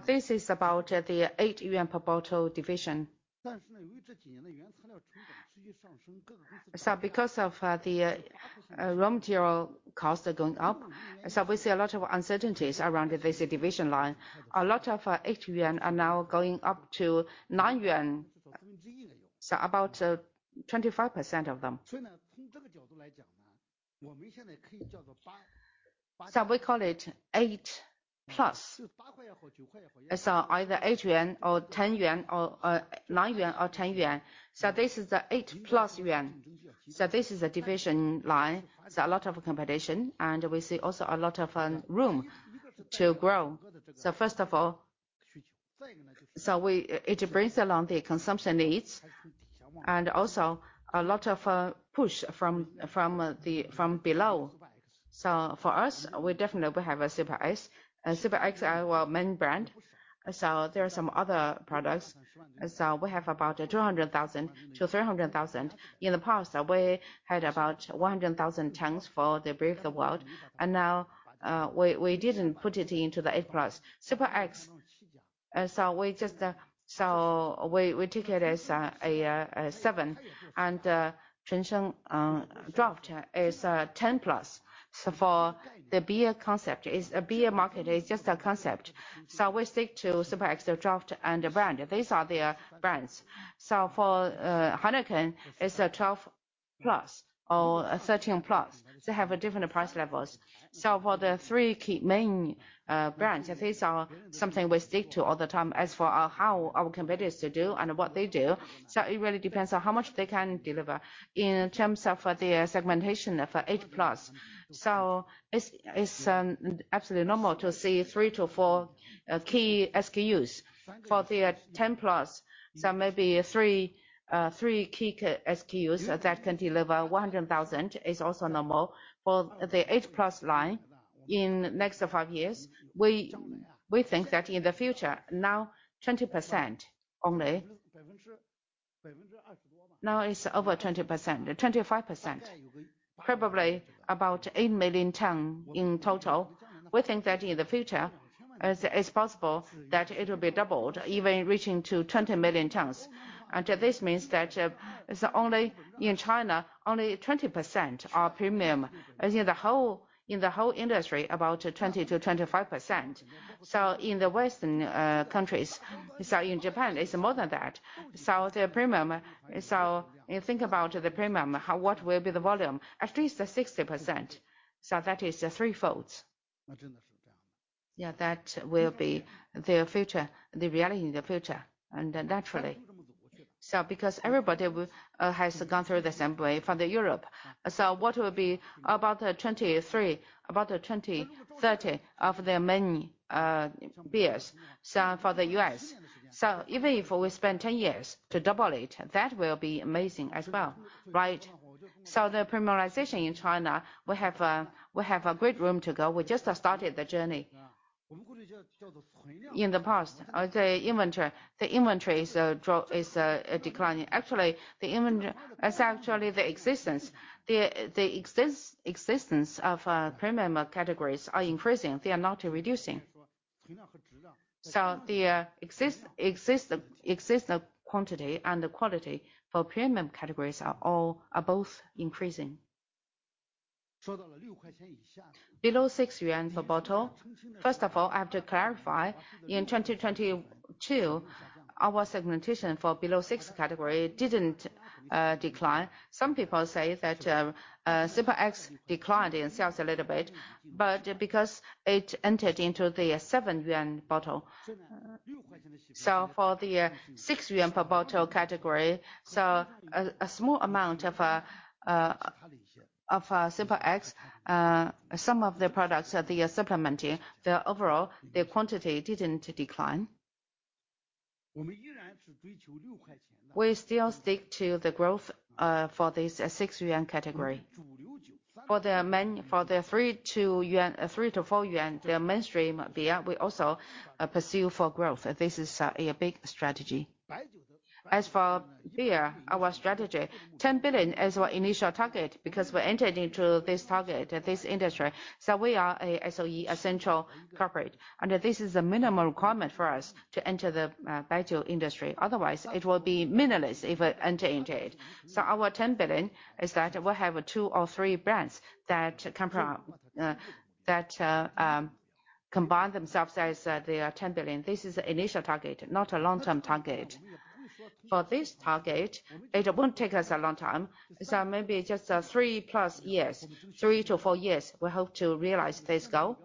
This is about the 8 yuan per bottle division. Because of the raw material costs are going up, we see a lot of uncertainties around this division line. A lot of 8 yuan are now going up to 9 yuan. About 25% of them. We call it 8 plus. Either 8 yuan or 10 yuan or 9 yuan or 10 yuan. This is the 8+ yuan. This is the division line. There's a lot of competition, and we see also a lot of room to grow. First of all, it brings along the consumption needs and also a lot of push from the, from below. For us, we definitely will have a Super X. Super X are our main brand. There are some other products. We have about 200,000 to 300,000 tons. In the past, we had about 100,000 tons for the Brave the World. Now, we didn't put it into the 8+. Super X, we just take it as a 7. Chengsheng Draft is 10+. For the beer concept, it's a beer market, it's just a concept. We stick to SuperX, the Draft and the Brand. These are their brands. For Heineken, it's a 12+ or a 13+. They have different price levels. For the three key main brands, these are something we stick to all the time as for how our competitors do and what they do. It really depends on how much they can deliver in terms of their segmentation for 8+. It's absolutely normal to see 3-4 key SKUs. For the 10+, maybe three key SKUs that can deliver 100,000 is also normal. For the 8+ line in next to five years, we think that in the future, now 20% only. Now it's over 20%. 25%. Probably about 8 million tons in total. We think that in the future, it's possible that it will be doubled, even reaching to 20 million tons. This means that it's only in China, only 20% are premium. In the whole industry, about 20%-25%. In the Western countries, in Japan, it's more than that. You think about the premium, what will be the volume? At least 60%. That is three-folds. Yeah, that will be the future, the reality in the future, and naturally. Because everybody has gone through the same way for Europe. What will be about 23, about 20-30 of their main beers. For the U.S. Even if we spend 10 years to double it, that will be amazing as well, right? The premiumization in China, we have a great room to go. We just started the journey. In the past, the inventory is declining. Actually, the existence. The existence of premium categories are increasing. They are not reducing. The exist quantity and the quality for premium categories are both increasing. Below 6 yuan for bottle. First of all, I have to clarify, in 2022, our segmentation for below 6 category didn't decline. Some people say that Super X declined in sales a little bit, but because it entered into the 7 yuan bottle. For the 6 yuan per bottle category, a small amount of Super X, some of the products that they are supplementing, the overall, the quantity didn't decline. We still stick to the growth for this 6 yuan category. For the 3-4 yuan, the mainstream beer, we also pursue for growth. This is a big strategy. As for beer, our strategy, 10 billion is our initial target because we entered into this target, this industry, so we are a SOE, essential corporate. This is a minimum requirement for us to enter the baijiu industry. Otherwise, it will be meaningless if we enter into it. Our 10 billion is that we'll have two or three brands that can combine themselves as the 10 billion. This is initial target, not a long-term target. For this target, it won't take us a long time. Maybe just 3+ years, three-four years, we hope to realize this goal.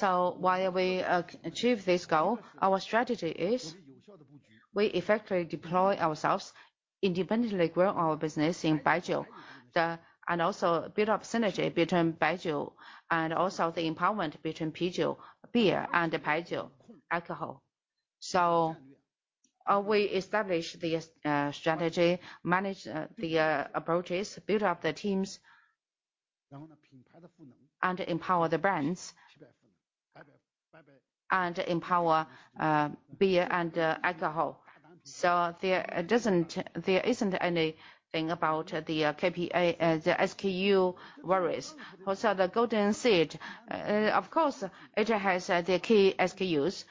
While we achieve this goal, our strategy is we effectively deploy ourselves independently grow our business in Baijiu, and also build up synergy between Baijiu and also the empowerment between pijiu beer and Baijiu alcohol. We establish this strategy, manage the approaches, build up the teams, and empower the brands, and empower beer and alcohol. There isn't anything about the SKU worries. Also the Golden Seed, of course, it has the key SKUs.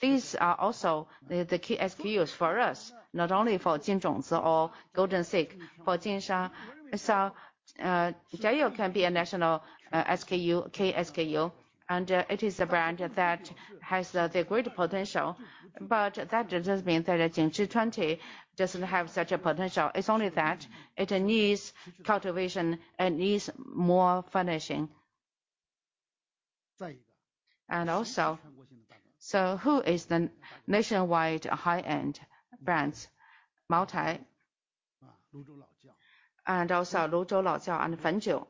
These are also the key SKUs for us, not only for Jinzhong or Golden Seed. For Jinsha, Jiuyou can be a national SKU, KSKU, and it is a brand that has the great potential. But that doesn't mean that Jingzhi doesn't have such a potential. It's only that it needs cultivation and needs more financing. Who is the nationwide high-end brands? Moutai and also Luzhou Laojiao and Fenjiu.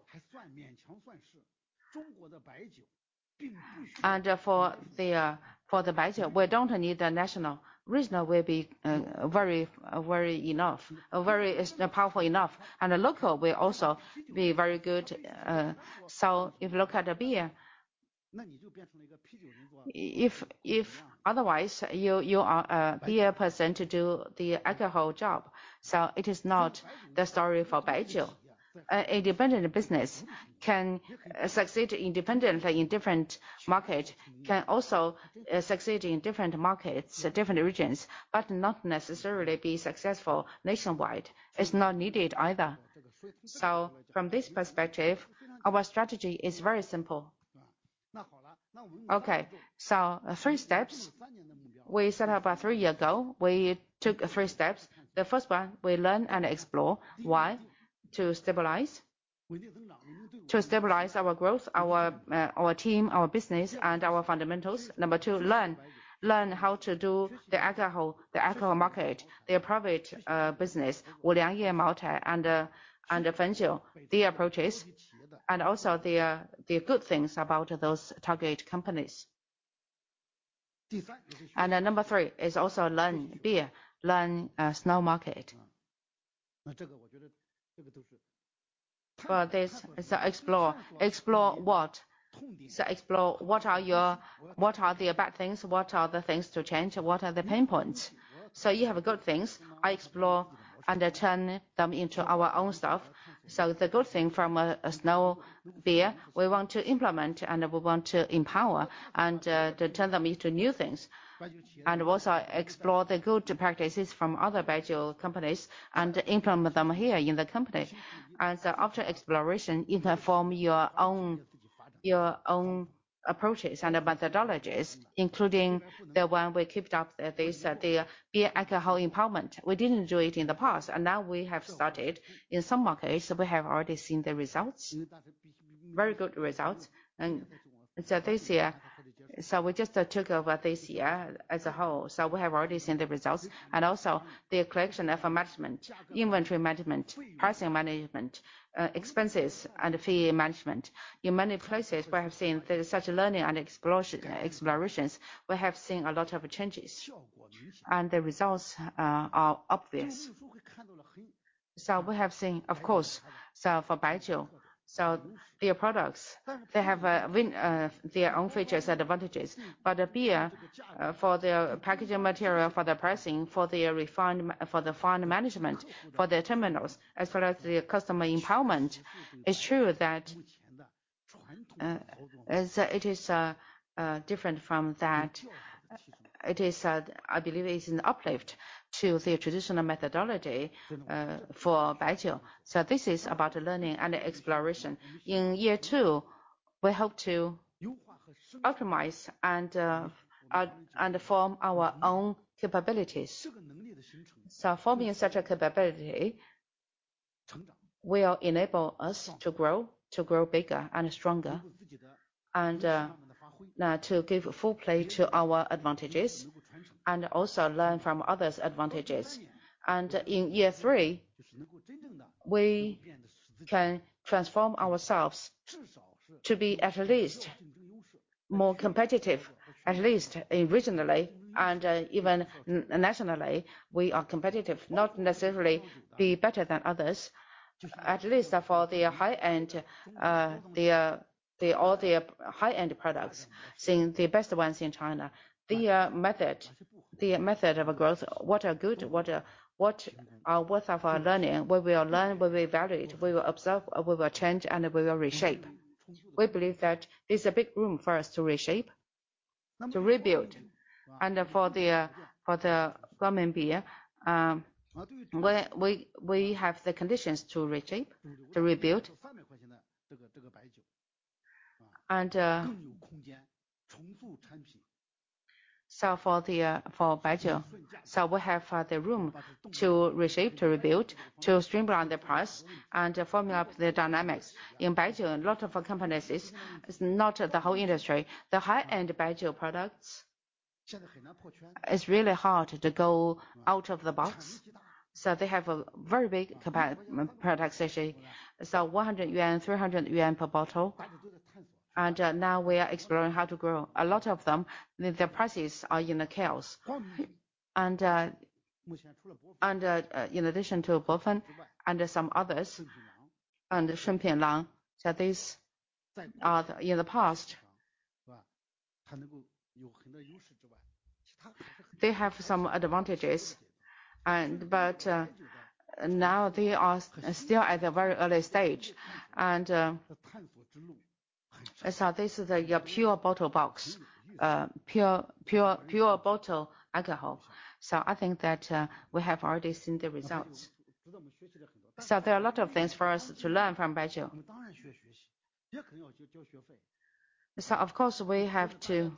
For the Baijiu, we don't need the national. Regional will be very, very enough, very, it's powerful enough. The local will also be very good. If you look at the beer, if otherwise, you are a beer person to do the alcohol job. It is not the story for baijiu. Independent business can succeed independently in different market, can also succeed in different markets, different regions, but not necessarily be successful nationwide. It's not needed either. From this perspective, our strategy is very simple. Okay. Three steps. We set up three year ago. We took three steps. The first one, we learn and explore. Why? To stabilize. To stabilize our growth, our team, our business, and our fundamentals. Number two, learn. Learn how to do the alcohol, the alcohol market, the private business, Wuliangye, Maotai, and Fenjiu, their approaches, and also the good things about those target companies. Number three is also learn beer, learn Snow market. For this is explore. Explore what? Explore what are your, what are the bad things, what are the things to change, what are the pain points. You have good things, I explore and turn them into our own stuff. The good thing from Snow Beer, we want to implement and we want to empower and to turn them into new things. Also explore the good practices from other baijiu companies and implement them here in the company. After exploration, you can form your own, your own approaches and methodologies, including the one we kept up this the beer alcohol empowerment. We didn't do it in the past, and now we have started. In some markets, we have already seen the results, very good results. We just took over this year as a whole. We have already seen the results and also the collection of management, inventory management, pricing management, expenses and fee management. In many places, we have seen there is such learning and explorations. We have seen a lot of changes and the results are obvious. We have seen, of course, for baijiu, their products, they have been their own features and advantages. But beer, for their packaging material, for their pricing, for their refined for the fund management, for their terminals, as well as the customer empowerment, it's true that as it is different from that, it is I believe it's an uplift to the traditional methodology for baijiu. This is about learning and exploration. In year two, we hope to optimize and form our own capabilities. Forming such a capability will enable us to grow bigger and stronger, and to give full play to our advantages and also learn from others' advantages. In year three, we can transform ourselves to be at least more competitive, at least regionally and even nationally, we are competitive, not necessarily be better than others. At least for their high-end, all their high-end products, seeing the best ones in China. Their method of growth, what are good, what are worth of our learning, what we are learning, what we evaluate, we will observe, we will change and we will reshape. We believe that there's a big room for us to reshape, to rebuild. For the Guilin Beer, we have the conditions to reshape, to rebuild. For the for baijiu. We have the room to reshape, to rebuild, to streamline the price and forming up the dynamics. In baijiu, a lot of companies is not the whole industry. The high-end baijiu products, it's really hard to go out of the box. They have a very big product section. 100 yuan, 300 yuan per bottle. Now we are exploring how to grow. A lot of them, their prices are in a chaos. In addition to Bofun and some others. Shenpiaо Lang. Shenpiaо Lang. These are in the past. They have some advantages and now they are still at the very early stage. This is your pure bottle box. Pure bottle alcohol. I think that we have already seen the results. There are a lot of things for us to learn from Baijiu. Of course, we have to.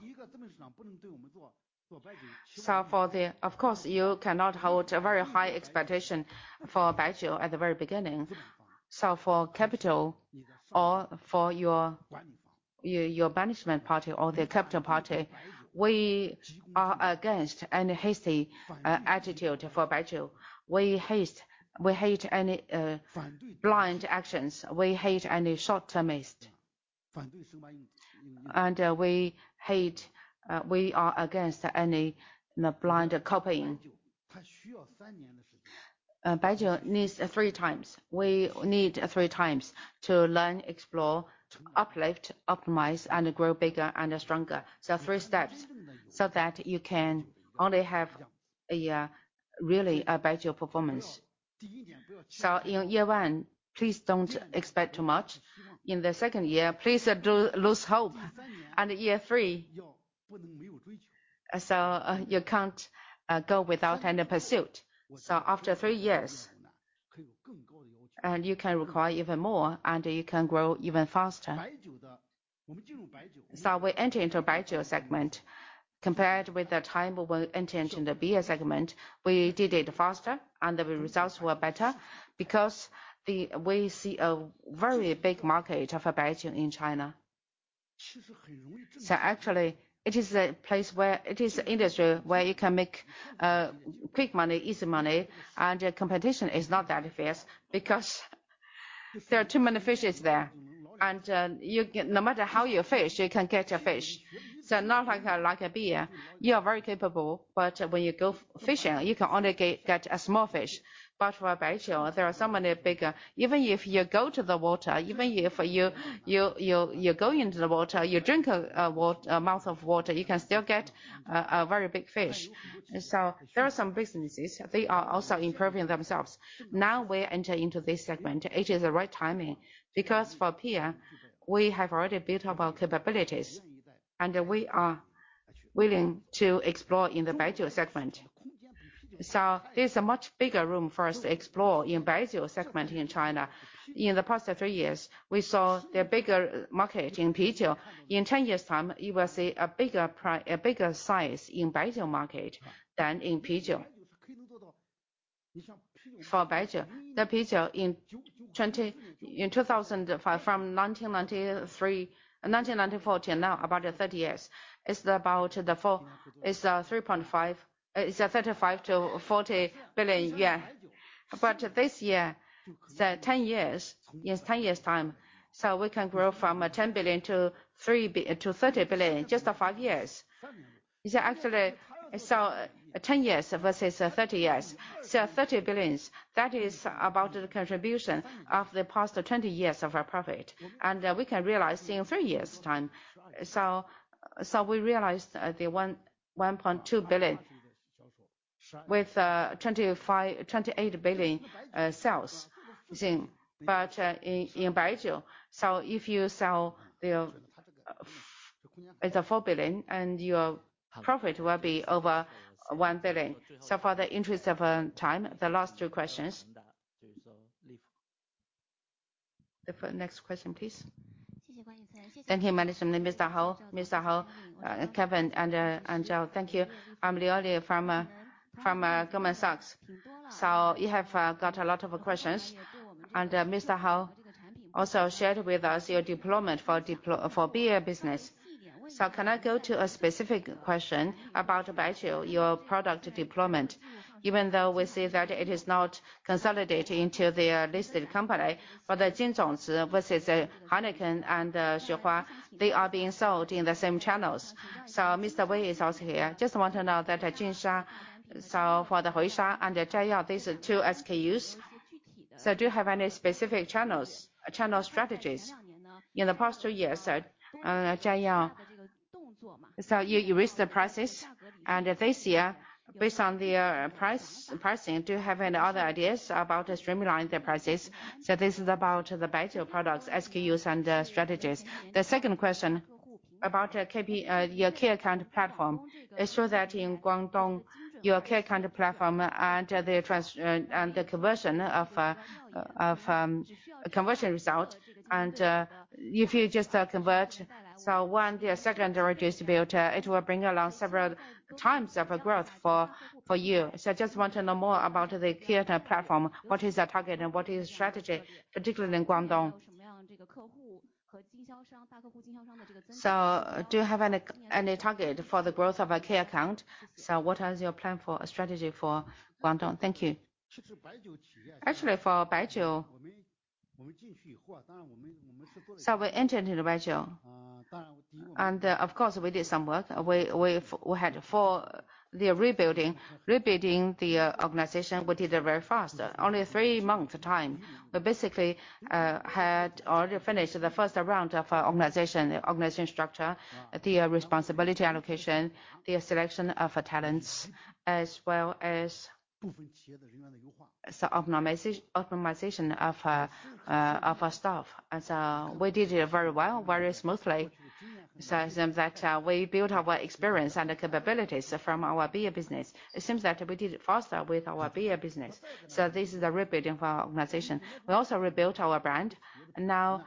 Of course, you cannot hold a very high expectation for Baijiu at the very beginning. For capital or for your management party or the capital party, we are against any hasty attitude for Baijiu. We hate any blind actions. We hate any short-termist. We hate, we are against any blind copying. Baijiu needs 3x. We need 3x to learn, explore, to uplift, optimize, and grow bigger and stronger. Three steps so that you can only have a really a Baijiu performance. In year one, please don't expect too much. In the second year, please do lose hope. Year three, so you can't go without any pursuit. After three years, and you can require even more, and you can grow even faster. We enter into baijiu segment. Compared with the time we entered into beer segment, we did it faster and the results were better, because we see a very big market of baijiu in China. Actually, it is a place where it is an industry where you can make quick money, easy money, and competition is not that fierce because there are too many fishes there. You can no matter how you fish, you can catch a fish. Not like a beer. You are very capable, but when you go fishing, you can only catch a small fish. For baijiu, there are so many bigger. Even if you go to the water, even if you go into the water, you drink a mouth of water, you can still get a very big fish. There are some businesses, they are also improving themselves. Now we enter into this segment. It is the right timing because for pijiu, we have already built our capabilities and we are willing to explore in the Baijiu segment. There's a much bigger room for us to explore in Baijiu segment in China. In the past three years, we saw the bigger market in pijiu. In 10 years time, you will see a bigger size in Baijiu market than in pijiu. For Baijiu, the pijiu in 2005 from 1993-1994 till now, about 30 years, it's 3.5. It's 35 billion-40 billion yuan. This year, the 10 years, yes, 10 years' time, we can grow from 10 billion to 30 billion in just five years. It's actually, 10 years versus 30 years. 30 billion, that is about the contribution of the past 20 years of our profit, and we can realize in three years' time. We realized 1.2 billion with 28 billion sales. In Baijiu, if you sell the... It's a 4 billion and your profit will be over 1 billion. For the interest of time, the last two questions. The next question, please. Thank you, management. Mr. Hao, Mr. Hao, Kevin and Angel. Thank you. I'm Leo Lee from Goldman Sachs. You have got a lot of questions. Mr. Hao also shared with us your deployment for beer business. Can I go to a specific question about Baijiu, your product deployment? Even though we see that it is not consolidated into the listed company, but the Jinzhongzi versus Heineken and Xuehua, they are being sold in the same channels. Mr. Wei is also here. Just want to know that at Jinsha, for the Huisha and Zhaiyao, these are two SKUs. Do you have any specific channels, channel strategies? In the past two years at Zhaiyao, you raised the prices, and this year, based on the price, pricing, do you have any other ideas about streamlining the prices? This is about the Baijiu products, SKUs, and strategies. The second question about your key account platform. It shows that in Guangdong, your key account platform and the conversion of conversion result, if you just convert, the second distributor, it will bring along several times of growth for you. I just want to know more about the key account platform. What is the target and what is strategy, particularly in Guangdong? Do you have any target for the growth of a key account? What is your plan for strategy for Guangdong? Thank you. Actually, for Baijiu. We entered into Baijiu, and of course, we did some work. We had for the rebuilding the organization, we did it very fast. Only three months time, we basically had already finished the first round of organization structure, the responsibility allocation, the selection of talents, as well as the optimization of our staff. We did it very well, very smoothly. It seems that we built our experience and capabilities from our beer business. It seems that we did it faster with our beer business. This is the rebuilding of our organization. We also rebuilt our brand. Now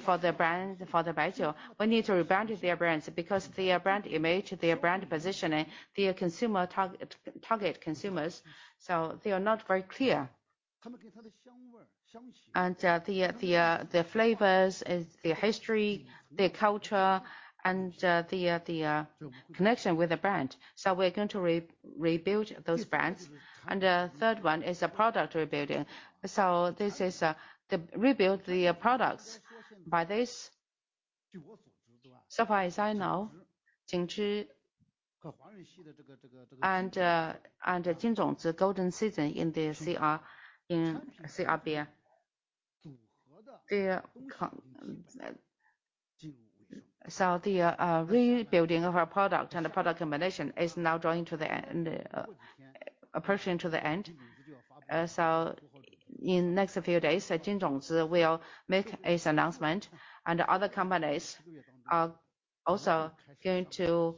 for the brand, for the Baijiu, we need to rebrand their brands because their brand image, their brand positioning, their consumer target consumers, so they are not very clear. The flavors is, their history, their culture, and the connection with the brand. We're going to rebuild those brands. The third one is a product rebuilding. This is the rebuild the products. By this, so far as I know, Jinchi and Jinzhongzi Golden Seed in the CR, in CR Beer. The rebuilding of our product and the product combination is now drawing to the end, approaching to the end. In next few days, Jinzhongzi will make its announcement and other companies are also going to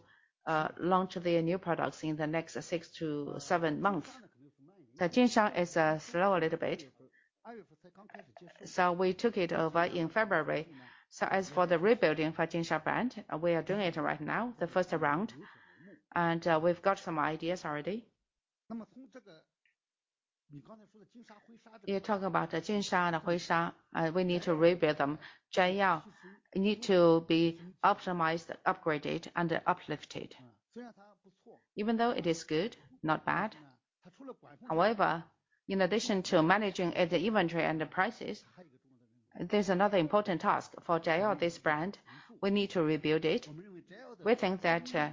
launch their new products in the next six-seven months. The Jinsha is slow a little bit. We took it over in February. As for the rebuilding for Jinsha brand, we are doing it right now, the first round, and we've got some ideas already. You're talking about Jinsha and Huisha. We need to rebuild them. Zhaiyao need to be optimized, upgraded, and uplifted. Even though it is good, not bad. In addition to managing the inventory and the prices, there's another important task. For Jihao, this brand, we need to rebuild it. We think that the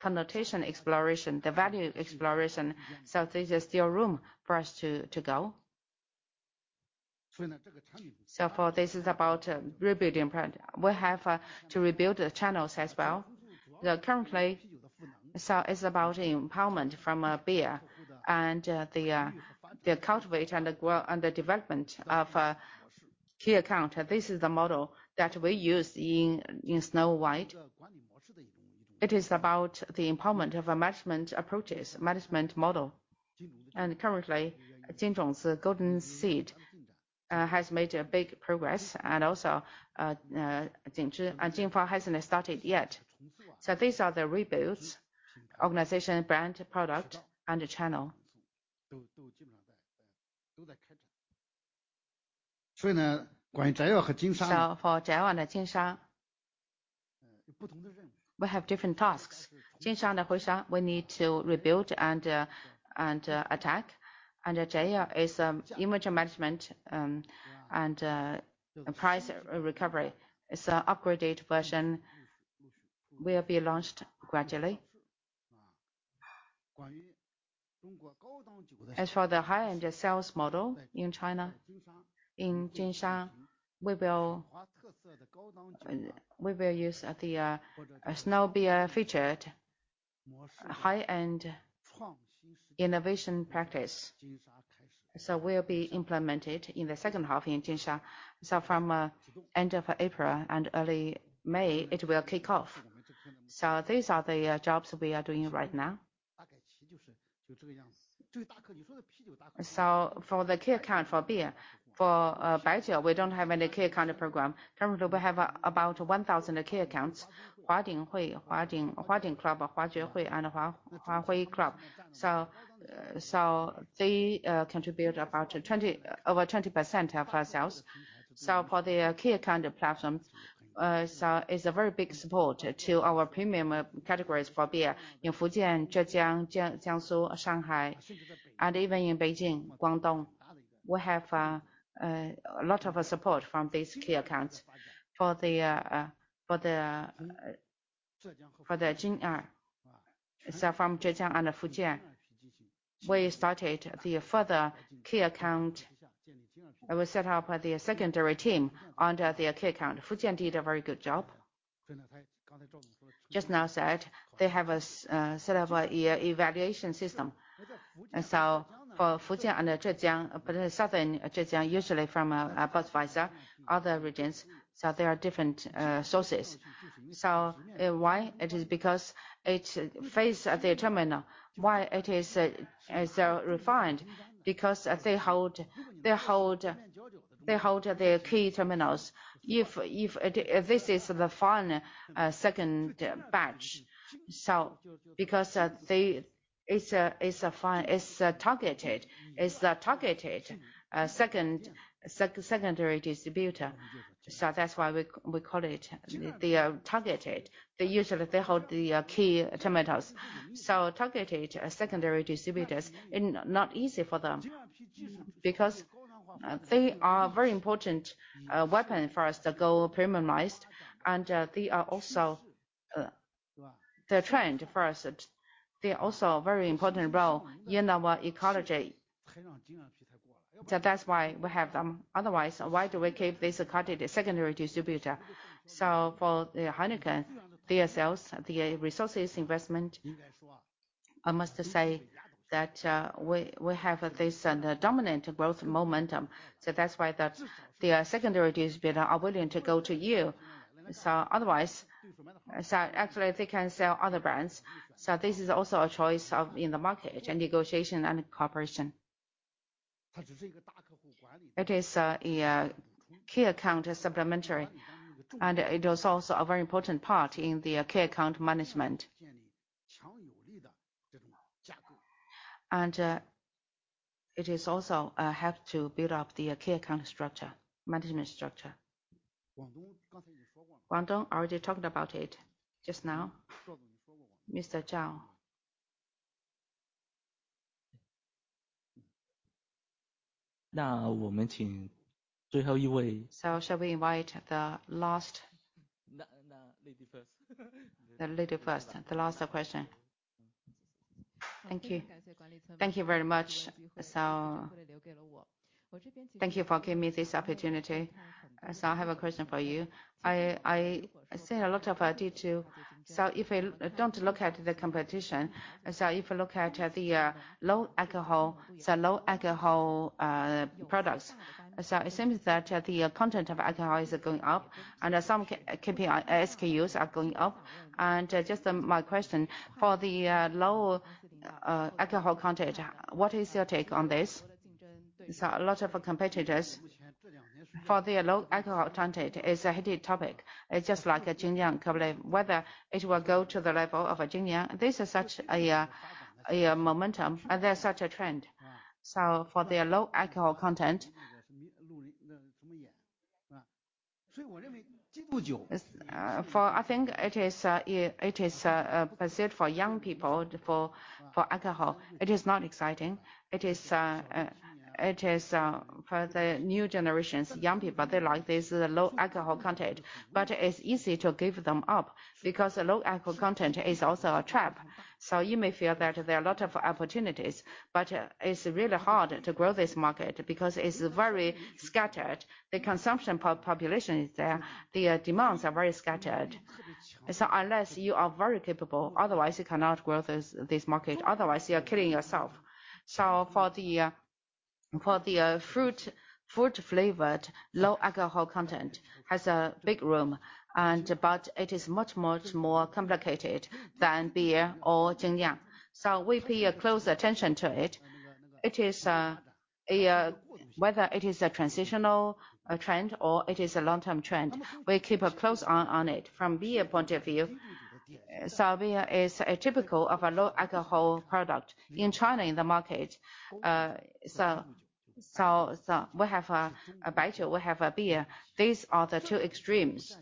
connotation exploration, the value exploration, there's still room for us to go. For this is about rebuilding brand. We have to rebuild the channels as well. Currently, it's about empowerment from beer and the cultivate and the development of key account. This is the model that we use in Snow. It is about the empowerment of a management approaches, management model. And currently, Jinzhongzi's Golden Seed has made a big progress and also Jingzhi and Jing Fang hasn't started yet. These are the rebuilds, organization, brand, product, and the channel. For Jihao and Jinsha, we have different tasks. Jinsha and Huishan, we need to rebuild and attack. Jihao is image management and price recovery. Its upgraded version will be launched gradually. As for the high-end sales model in China, in Jinsha, we will use the Snow Beer featured high-end innovation practice. Will be implemented in the second half in Jingshan. From end of April and early May, it will kick off. These are the jobs we are doing right now. For the key account for beer, for baijiu, we don't have any key account program. Currently, we have about 1,000 key accounts, Huading Hui, Huading Club, Huazun Hui, and Huahui Club. They contribute about 20 over 20% of our sales. For the key account platform, so it's a very big support to our premium categories for beer in Fujian, Zhejiang, Jiangsu, Shanghai, and even in Beijing, Guangdong. We have a lot of support from these key accounts. For the Jing Er. From Zhejiang and Fujian, we started the further key account. I will set up the secondary team under the key account. Fujian did a very good job. Just now said, they have a set up a evaluation system. For Fujian and Zhejiang, but southern Zhejiang, usually from Budweiser, other regions. There are different sources. Why? It is because it face the terminal. Why it is refined? Because they hold the key terminals. If it... This is the final, second batch. Because they... It's targeted. It's targeted, second, secondary distributor. That's why we call it the targeted. They usually, they hold the key terminals. Targeted secondary distributors, it not easy for them because they are very important, weapon for us to go premiumized. They are also, the trend for us. They're also a very important role in our ecology. That's why we have them. Otherwise, why do we keep this secondary distributor? For Heineken, their sales, the resources investment, I must say that, we have this dominant growth momentum. That's why the secondary distributor are willing to go to you. Otherwise, actually, they can sell other brands. This is also a choice of in the market and negotiation and cooperation. It is a key account supplementary, and it is also a very important part in the key account management. And it is also a help to build up the key account structure, management structure. Wang Dong already talked about it just now. Mr. Zhao. Now we're meeting. Shall we invite. No, no. Lady first. The lady first. The last question. Thank you. Thank you very much. Thank you for giving me this opportunity. I have a question for you. I see a lot of idea to... If you don't look at the competition, if you look at the low alcohol, low alcohol products. It seems that the content of alcohol is going up and some SKUs are going up. Just, my question, for the low alcohol content, what is your take on this? A lot of competitors, for the low alcohol content is a heated topic. It's just like a Jiangyang probably, whether it will go to the level of a Jiangyang. This is such a momentum. There's such a trend. For the low alcohol content-It's for... I think it is pursued for young people for alcohol. It is not exciting. It is for the new generations, young people, they like this, the low alcohol content. It's easy to give them up because a low alcohol content is also a trap. You may feel that there are a lot of opportunities, but it's really hard to grow this market because it's very scattered. The consumption population is there. The demands are very scattered. Unless you are very capable, otherwise you cannot grow this market. Otherwise you are killing yourself. For the fruit flavored low alcohol content has a big room but it is much more complicated than beer or Jiangyang. We pay a close attention to it. It is a. Whether it is a transitional trend or it is a long-term trend, we keep a close eye on it. From beer point of view, beer is a typical of a low alcohol product in China, in the market. We have a Baijiu, we have a beer. These are the two extremes.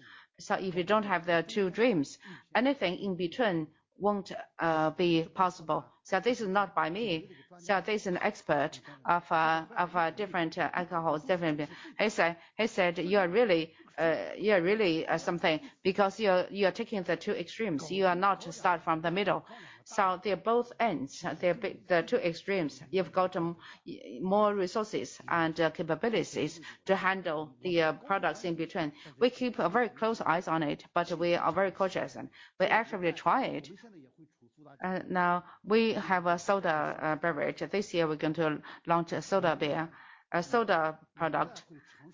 If you don't have the two extremes, anything in between won't be possible. This is not by me. This is an expert of different alcohols, different beer. He said, "You are really something because you're taking the two extremes. You are not start from the middle." They're both ends. They're the two extremes. You've got more resources and capabilities to handle the products in between. We keep a very close eyes on it, but we are very cautious. We actually try it. Now we have a soda beverage. This year we're going to launch a soda beer, a soda product,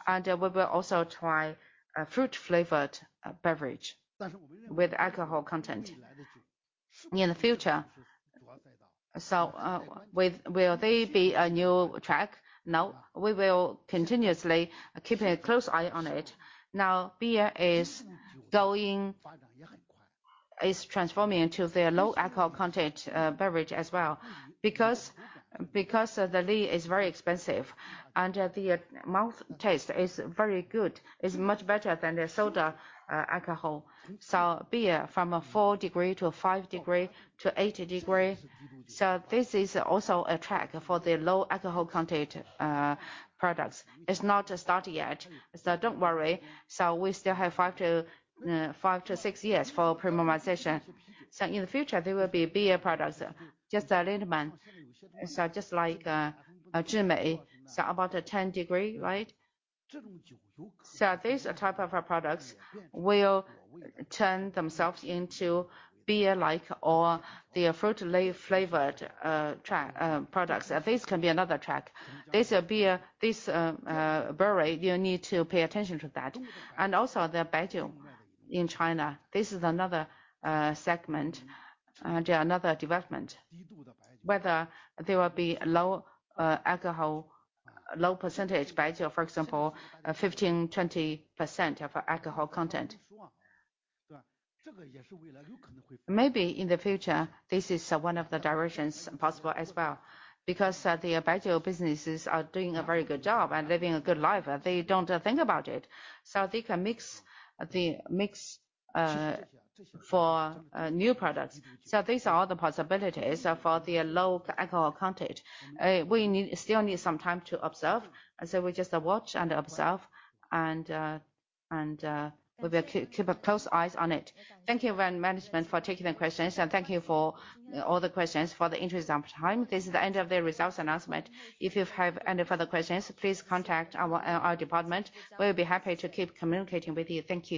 and we will also try a fruit flavored beverage with alcohol content in the future. Will they be a new track? No, we will continuously keep a close eye on it. Now beer is going. It's transforming into the low alcohol content beverage as well because the lee is very expensive and the mouth taste is very good. It's much better than the soda alcohol. Beer from a four degree to five degree to eight degree. This is also a track for the low alcohol content products. It's not started yet, don't worry. We still have five to six years for premiumization. In the future there will be beer products, just a little one. Just like a Chimay, about a 10 degree, right? This type of products will turn themselves into beer-like or the fruit-flavored products. This can be another track. This beer, this brewery, you need to pay attention to that. The baijiu in China. This is another segment, another development. Whether there will be low alcohol, low percentage baijiu, for example, 15%, 20% of alcohol content. Maybe in the future, this is one of the directions possible as well, because the baijiu businesses are doing a very good job and living a good life. They don't think about it. They can mix for new products. These are all the possibilities for the low alcohol content. We need, still need some time to observe. We just watch and observe and we will keep a close eyes on it. Thank you again management for taking the questions, and thank you for all the questions, for the interest of time. This is the end of the results announcement. If you have any further questions, please contact our department. We'll be happy to keep communicating with you. Thank you.